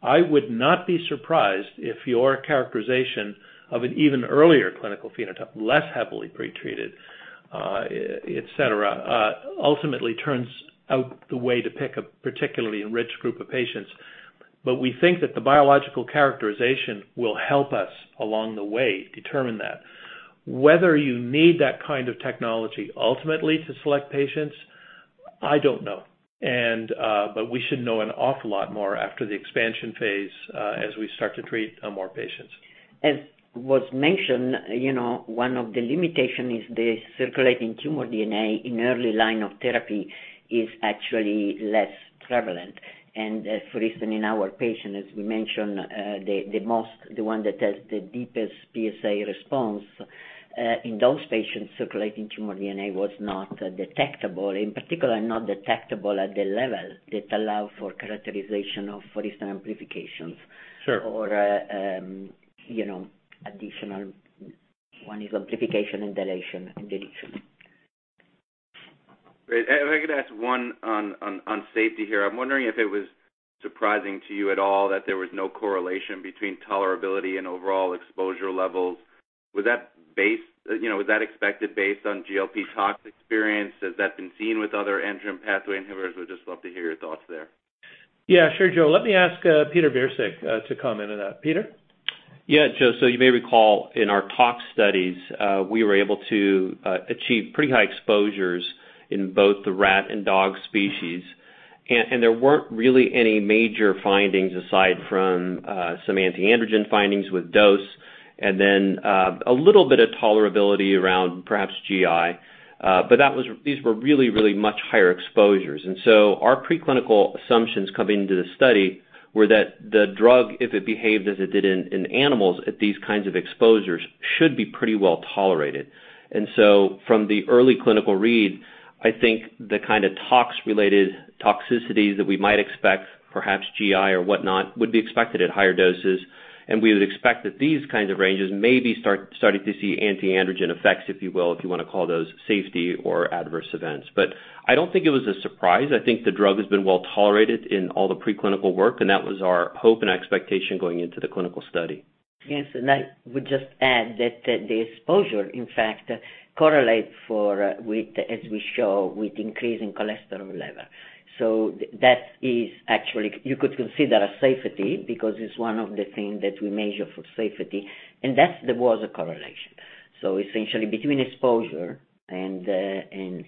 I would not be surprised if your characterization of an even earlier clinical phenotype, less heavily pretreated, et cetera, ultimately turns out the way to pick a particularly enriched group of patients. We think that the biological characterization will help us along the way determine that. Whether you need that kind of technology ultimately to select patients, I don't know. We should know an awful lot more after the expansion phase, as we start to treat more patients. As was mentioned, you know, one of the limitation is the circulating tumor DNA in early line of therapy is actually less prevalent. For instance, in our patient, as we mentioned, the one that has the deepest PSA response, in those patients, circulating tumor DNA was not detectable. In particular, not detectable at the level that allow for characterization of, for instance, amplifications. Sure You know, additional one is amplification and deletion. Great. If I could ask one on safety here. I'm wondering if it was surprising to you at all that there was no correlation between tolerability and overall exposure levels. You know, was that expected based on GLP tox experience? Has that been seen with other androgen pathway inhibitors? Would just love to hear your thoughts there. Yeah, sure, Joe. Let me ask, Peter Virsik, to comment on that. Peter? Yeah, Joe. You may recall in our tox studies, we were able to achieve pretty high exposures in both the rat and dog species. And there weren't really any major findings aside from some anti-androgen findings with dose, and then a little bit of tolerability around perhaps GI. But that was. These were really much higher exposures. Our preclinical assumptions coming into the study were that the drug, if it behaved as it did in animals at these kinds of exposures, should be pretty well tolerated. From the early clinical read, I think the kind of tox-related toxicities that we might expect, perhaps GI or whatnot, would be expected at higher doses. We would expect that these kinds of ranges may be starting to see anti-androgen effects, if you will, if you wanna call those safety or adverse events. I don't think it was a surprise. I think the drug has been well tolerated in all the preclinical work, and that was our hope and expectation going into the clinical study. Yes. I would just add that the exposure, in fact, correlates with, as we show, with increase in cholesterol level. That is actually you could consider a safety because it is one of the things that we measure for safety, and that there was a correlation. Essentially between exposure and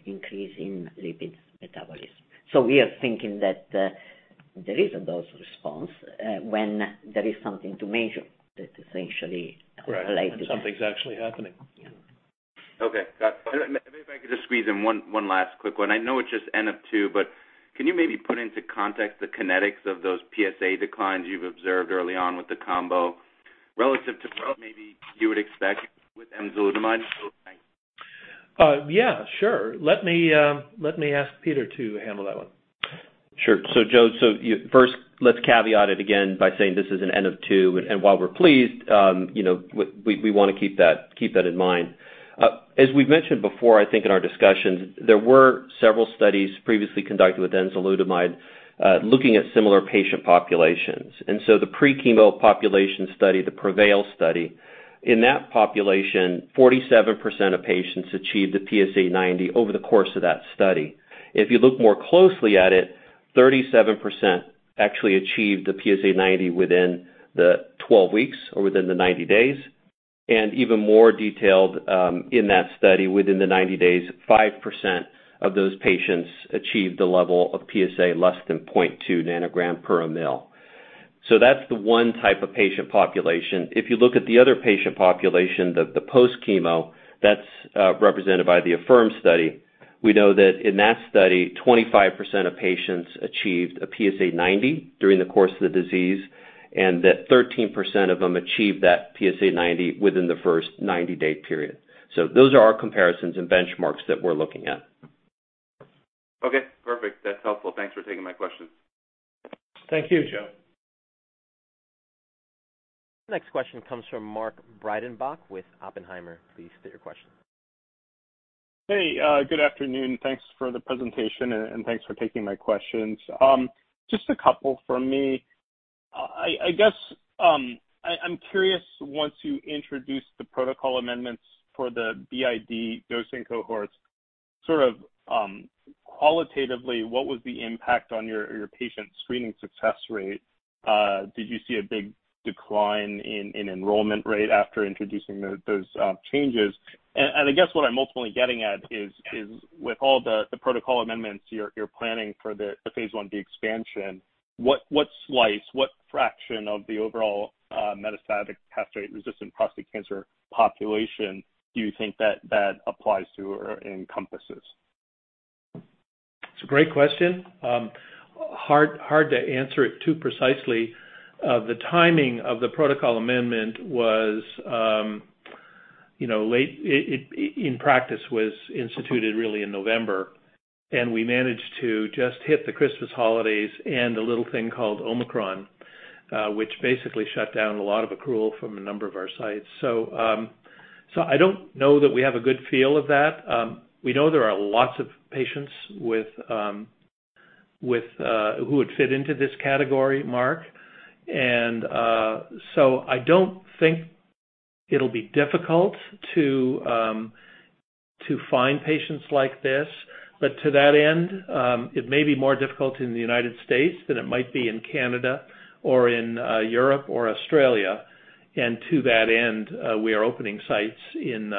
increase in lipid metabolism. We are thinking that there is a dose response when there is something to measure that essentially relates to that. Right. When something's actually happening. Yeah. Okay. Maybe if I could just squeeze in one last quick one. I know it's just N of 2, but can you maybe put into context the kinetics of those PSA declines you've observed early on with the combo relative to what maybe you would expect with enzalutamide? Yeah, sure. Let me ask Peter to handle that one. Sure. Joe, first, let's caveat it again by saying this is an N of two. While we're pleased, we wanna keep that in mind. As we've mentioned before, I think in our discussions, there were several studies previously conducted with enzalutamide, looking at similar patient populations. The pre-chemo population study, the PREVAIL study, in that population, 47% of patients achieved the PSA90 over the course of that study. If you look more closely at it, 37% actually achieved the PSA90 within the 12 weeks or within the 90 days. Even more detailed, in that study, within the 90 days, 5% of those patients achieved a level of PSA less than 0.2 nanogram per mL. That's the one type of patient population. If you look at the other patient population, the post-chemo, that's represented by the AFFIRM study. We know that in that study, 25% of patients achieved a PSA90 during the course of the disease, and that 13% of them achieved that PSA90 within the first 90-day period. Those are our comparisons and benchmarks that we're looking at. Okay, perfect. That's helpful. Thanks for taking my questions. Thank you, Joe. Next question comes from Mark Breidenbach with Oppenheimer. Please state your question. Hey, good afternoon. Thanks for the presentation and thanks for taking my questions. Just a couple from me. I guess I'm curious, once you introduce the protocol amendments for the BID dosing cohorts, sort of qualitatively, what was the impact on your patient screening success rate? Did you see a big decline in enrollment rate after introducing those changes? I guess what I'm ultimately getting at is with all the protocol amendments you're planning for the phase 1b expansion, what slice, what fraction of the overall metastatic castration-resistant prostate cancer population do you think that applies to or encompasses? It's a great question. Hard to answer it too precisely. The timing of the protocol amendment was, you know, late. It in practice was instituted really in November, and we managed to just hit the Christmas holidays and a little thing called Omicron, which basically shut down a lot of accrual from a number of our sites. So I don't know that we have a good feel of that. We know there are lots of patients who would fit into this category Mark. So I don't think it'll be difficult to find patients like this. To that end, it may be more difficult in the United States than it might be in Canada or in Europe or Australia. To that end, we are opening sites in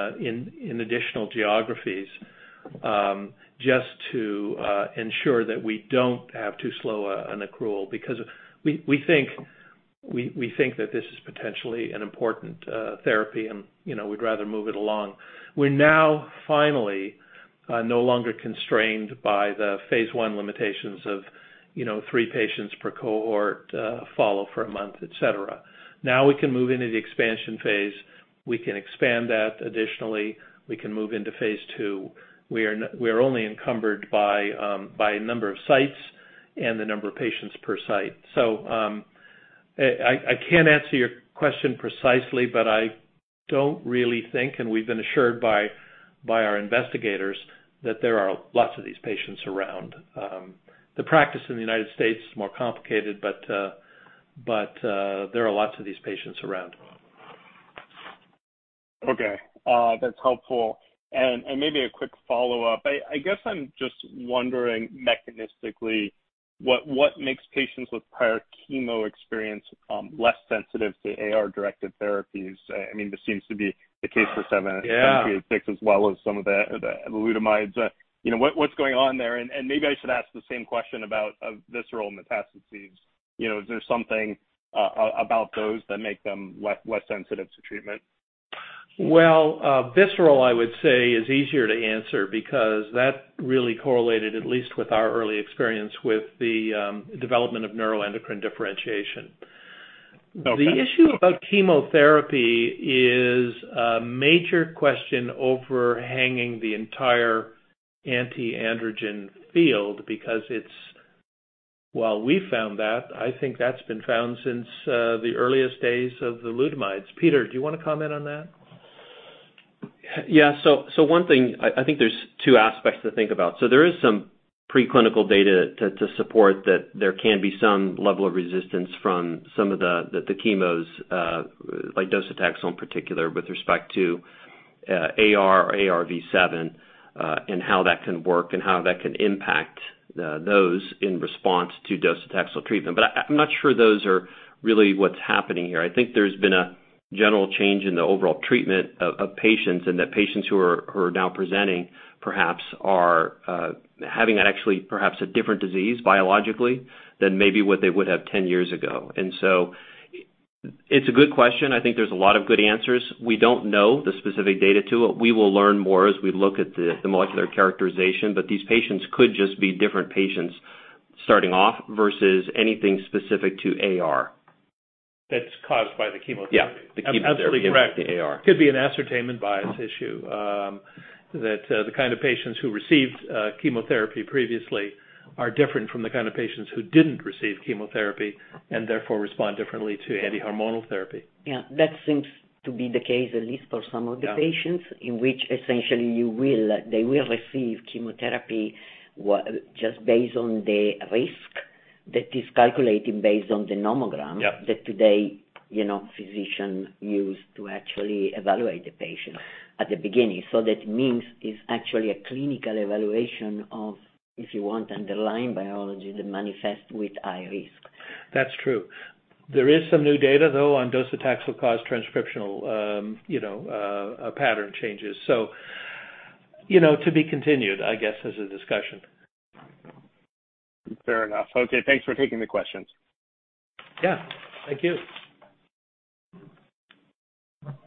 additional geographies, just to ensure that we don't have too slow an accrual. Because we think that this is potentially an important therapy and, you know, we'd rather move it along. We're now finally no longer constrained by the phase I limitations of, you know, three patients per cohort, follow for a month, etc. Now, we can move into the expansion phase. We can expand that additionally. We can move into phase II. We are only encumbered by number of sites and the number of patients per site. I can't answer your question precisely, but I don't really think, and we've been assured by our investigators that there are lots of these patients around. The practice in the United States is more complicated, but there are lots of these patients around. Okay. That's helpful. Maybe a quick follow-up. I guess I'm just wondering mechanistically what makes patients with prior chemo experience less sensitive to AR-directed therapies. I mean, this seems to be the case for seven- Yeah. EPI-7386 as well as some of the lutetium. You know, what's going on there? Maybe I should ask the same question about visceral metastases. You know, is there something about those that make them less sensitive to treatment? Well, visceral, I would say is easier to answer because that really correlated, at least with our early experience with the development of neuroendocrine differentiation. Okay. The issue about chemotherapy is a major question overhanging the entire anti-androgen field because it's well, we found that. I think that's been found since the earliest days of the lutetium. Peter, do you wanna comment on that? One thing, I think there's two aspects to think about. There is some preclinical data to support that there can be some level of resistance from some of the chemos, like docetaxel in particular with respect to AR or AR-V7, and how that can work and how that can impact those in response to docetaxel treatment. I'm not sure those are really what's happening here. I think there's been a general change in the overall treatment of patients, and that patients who are now presenting perhaps are having actually perhaps a different disease biologically than maybe what they would have 10 years ago. It's a good question. I think there's a lot of good answers. We don't know the specific data to it. We will learn more as we look at the molecular characterization, but these patients could just be different patients starting off versus anything specific to AR. That's caused by the chemotherapy. Yeah, the chemotherapy. Absolutely correct. against the AR. Could be an ascertainment bias issue, that the kind of patients who received chemotherapy previously are different from the kind of patients who didn't receive chemotherapy and therefore respond differently to anti-hormonal therapy. Yeah, that seems to be the case, at least for some of the patients. Yeah in which essentially they will receive chemotherapy just based on the risk that is calculated based on the nomogram. Yeah That today, you know, physicians use to actually evaluate the patient at the beginning. That means it's actually a clinical evaluation of, if you want, underlying biology that manifests with high risk. That's true. There is some new data, though, on docetaxel causing transcriptional pattern changes. You know, to be continued, I guess, as a discussion. Fair enough. Okay, thanks for taking the questions. Yeah. Thank you.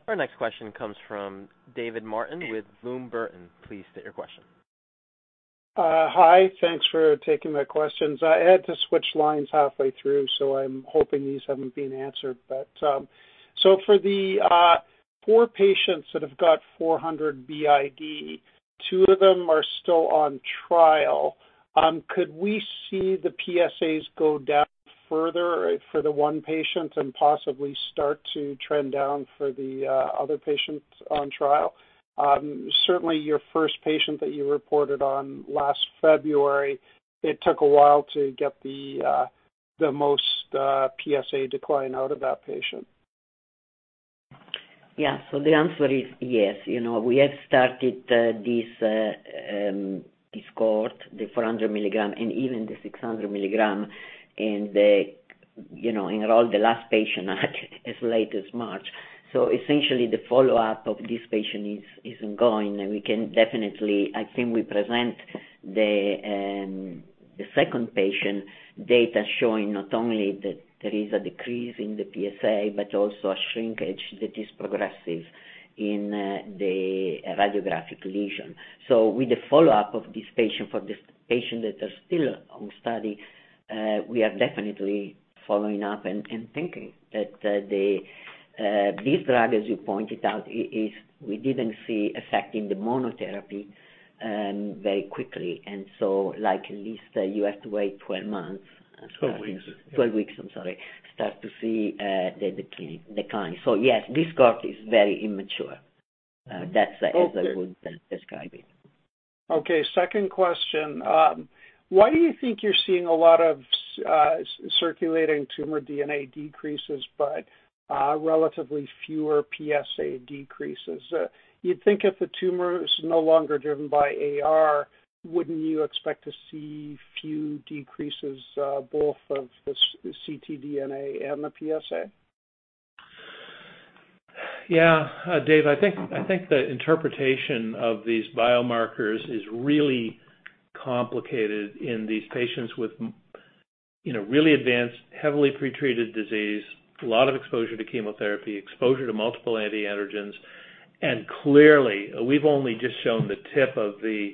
Our next question comes from David Martin with Bloom Burton. Please state your question. Hi. Thanks for taking my questions. I had to switch lines halfway through, so I'm hoping these haven't been answered. For the four patients that have got 400 BID, two of them are still on trial. Could we see the PSAs go down further for the one patient and possibly start to trend down for the other patients on trial? Certainly your first patient that you reported on last February, it took a while to get the most PSA decline out of that patient. Yeah. The answer is yes. You know, we have started this cohort, the 400 mg and even the 600 mg, you know, enrolled the last patient as late as March. Essentially, the follow-up of this patient is ongoing, and we can definitely, I think, present the second patient data showing not only that there is a decrease in the PSA, but also a shrinkage that is progressive in the radiographic lesion. With the follow-up of this patient, for this patient that are still on study, we are definitely following up and thinking that this drug, as you pointed out, is we did see affecting the monotherapy very quickly. Like, at least you have to wait 12 months- 12 weeks 12 weeks, I'm sorry, start to see the decline. Yes, this cohort is very immature. That's as I would describe it. Okay. Second question. Why do you think you're seeing a lot of circulating tumor DNA decreases but relatively fewer PSA decreases? You'd think if the tumor is no longer driven by AR, wouldn't you expect to see few decreases both of the ctDNA and the PSA? Yeah. Dave, I think the interpretation of these biomarkers is really complicated in these patients with you know, really advanced, heavily pre-treated disease, a lot of exposure to chemotherapy, exposure to multiple anti-androgens. Clearly, we've only just shown the tip of the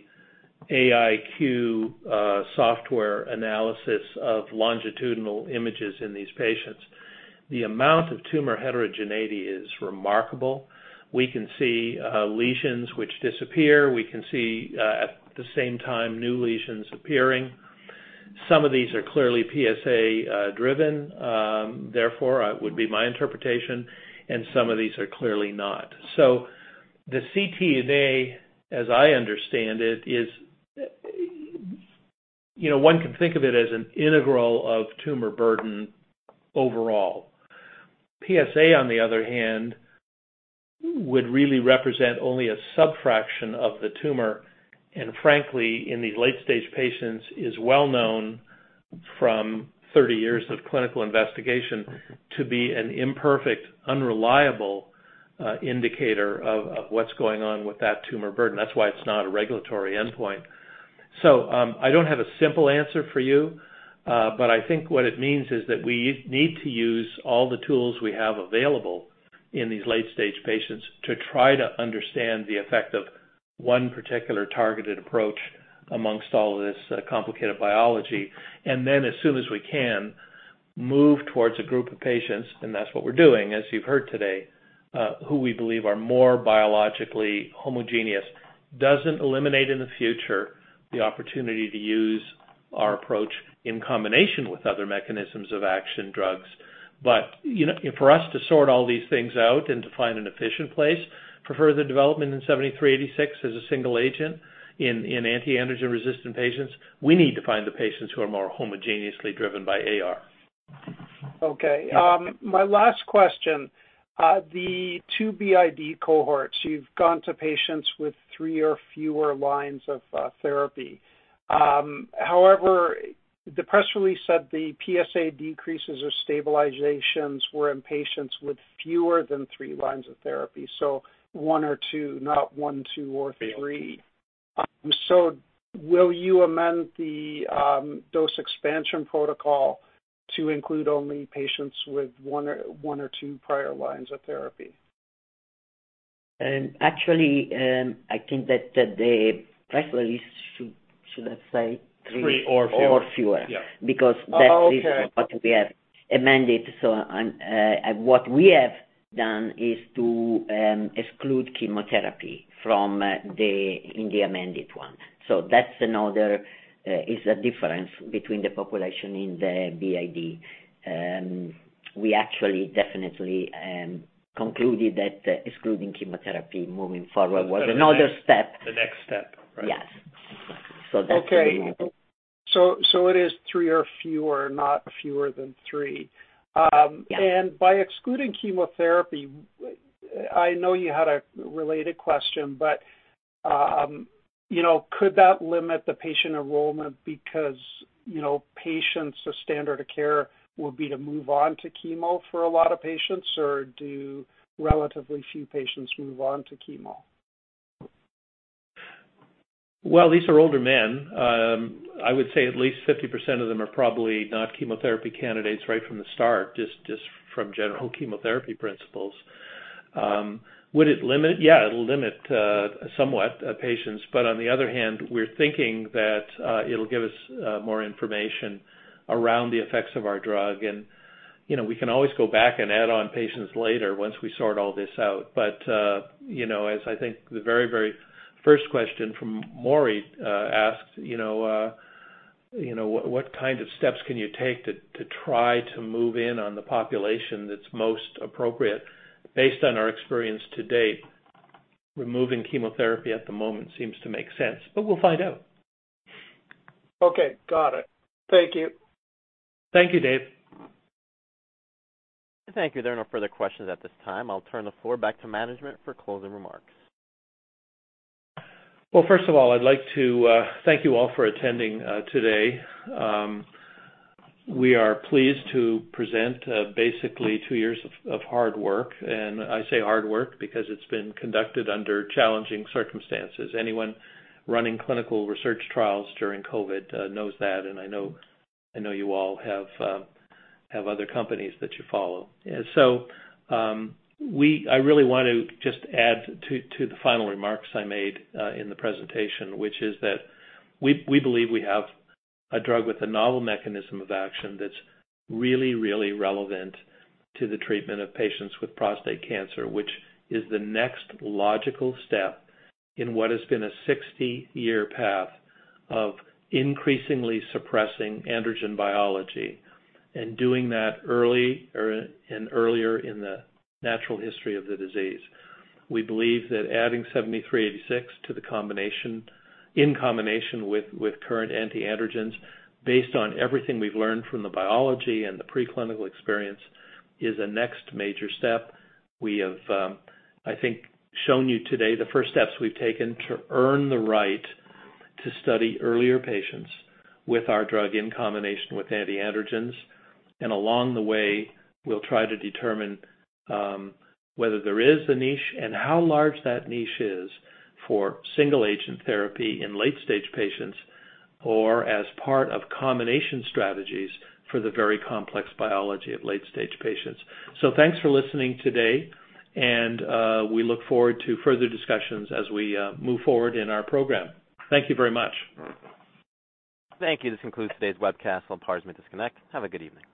AIQ software analysis of longitudinal images in these patients. The amount of tumor heterogeneity is remarkable. We can see lesions which disappear. We can see at the same time, new lesions appearing. Some of these are clearly PSA driven, therefore would be my interpretation, and some of these are clearly not. The ctDNA, as I understand it, is you know, one can think of it as an integral of tumor burden overall. PSA, on the other hand, would really represent only a subfraction of the tumor, and frankly, in these late stage patients, is well known from 30 years of clinical investigation to be an imperfect, unreliable indicator of what's going on with that tumor burden. That's why it's not a regulatory endpoint. I don't have a simple answer for you, but I think what it means is that we need to use all the tools we have available in these late stage patients to try to understand the effect of one particular targeted approach among all of this complicated biology. As soon as we can, move towards a group of patients, and that's what we're doing, as you've heard today, who we believe are more biologically homogeneous. Doesn't eliminate in the future the opportunity to use our approach in combination with other mechanisms of action drugs. You know, for us to sort all these things out and to find an efficient place for further development in EPI-7386 as a single agent in anti-androgen resistant patients, we need to find the patients who are more homogeneously driven by AR. Okay. My last question. The two BID cohorts, you've gone to patients with three or fewer lines of therapy. However, the press release said the PSA decreases or stabilizations were in patients with fewer than three lines of therapy. One or two, not one, two, or three. Yeah. Will you amend the dose expansion protocol to include only patients with one or two prior lines of therapy? Actually, I think that the press release should have said three- 3 or fewer. or fewer. Yeah. Because that is. Oh, okay. What we have amended. What we have done is to exclude chemotherapy from the, in the amended one. That's another difference between the population in the BID. We actually definitely concluded that excluding chemotherapy moving forward was another step. The next step, right. Yes. Okay. It is three or fewer, not fewer than three. Yeah By excluding chemotherapy, I know you had a related question, but, you know, could that limit the patient enrollment because, you know, patients, the standard of care would be to move on to chemo for a lot of patients, or do relatively few patients move on to chemo? Well, these are older men. I would say at least 50% of them are probably not chemotherapy candidates right from the start, just from general chemotherapy principles. Would it limit? Yeah, it'll limit somewhat patients, but on the other hand, we're thinking that it'll give us more information around the effects of our drug. You know, we can always go back and add on patients later once we sort all this out. You know, as I think the very first question from Maury asked, you know, what kind of steps can you take to try to move in on the population that's most appropriate? Based on our experience to date, removing chemotherapy at the moment seems to make sense, but we'll find out. Okay. Got it. Thank you. Thank you, Dave. Thank you. There are no further questions at this time. I'll turn the floor back to management for closing remarks. Well, first of all, I'd like to thank you all for attending today. We are pleased to present basically two years of hard work. I say hard work because it's been conducted under challenging circumstances. Anyone running clinical research trials during COVID knows that, and I know you all have other companies that you follow. Yeah. I really want to just add to the final remarks I made in the presentation, which is that we believe we have a drug with a novel mechanism of action that's really relevant to the treatment of patients with prostate cancer, which is the next logical step in what has been a 60-year path of increasingly suppressing androgen biology and doing that early and earlier in the natural history of the disease. We believe that adding EPI-7386 to the combination, in combination with current anti-androgens, based on everything we've learned from the biology and the preclinical experience, is a next major step. We have, I think, shown you today the first steps we've taken to earn the right to study earlier patients with our drug in combination with anti-androgens. Along the way, we'll try to determine whether there is a niche and how large that niche is for single agent therapy in late stage patients or as part of combination strategies for the very complex biology of late stage patients. Thanks for listening today, and we look forward to further discussions as we move forward in our program. Thank you very much. Thank you. This concludes today's webcast. You all parties may disconnect. Have a good evening.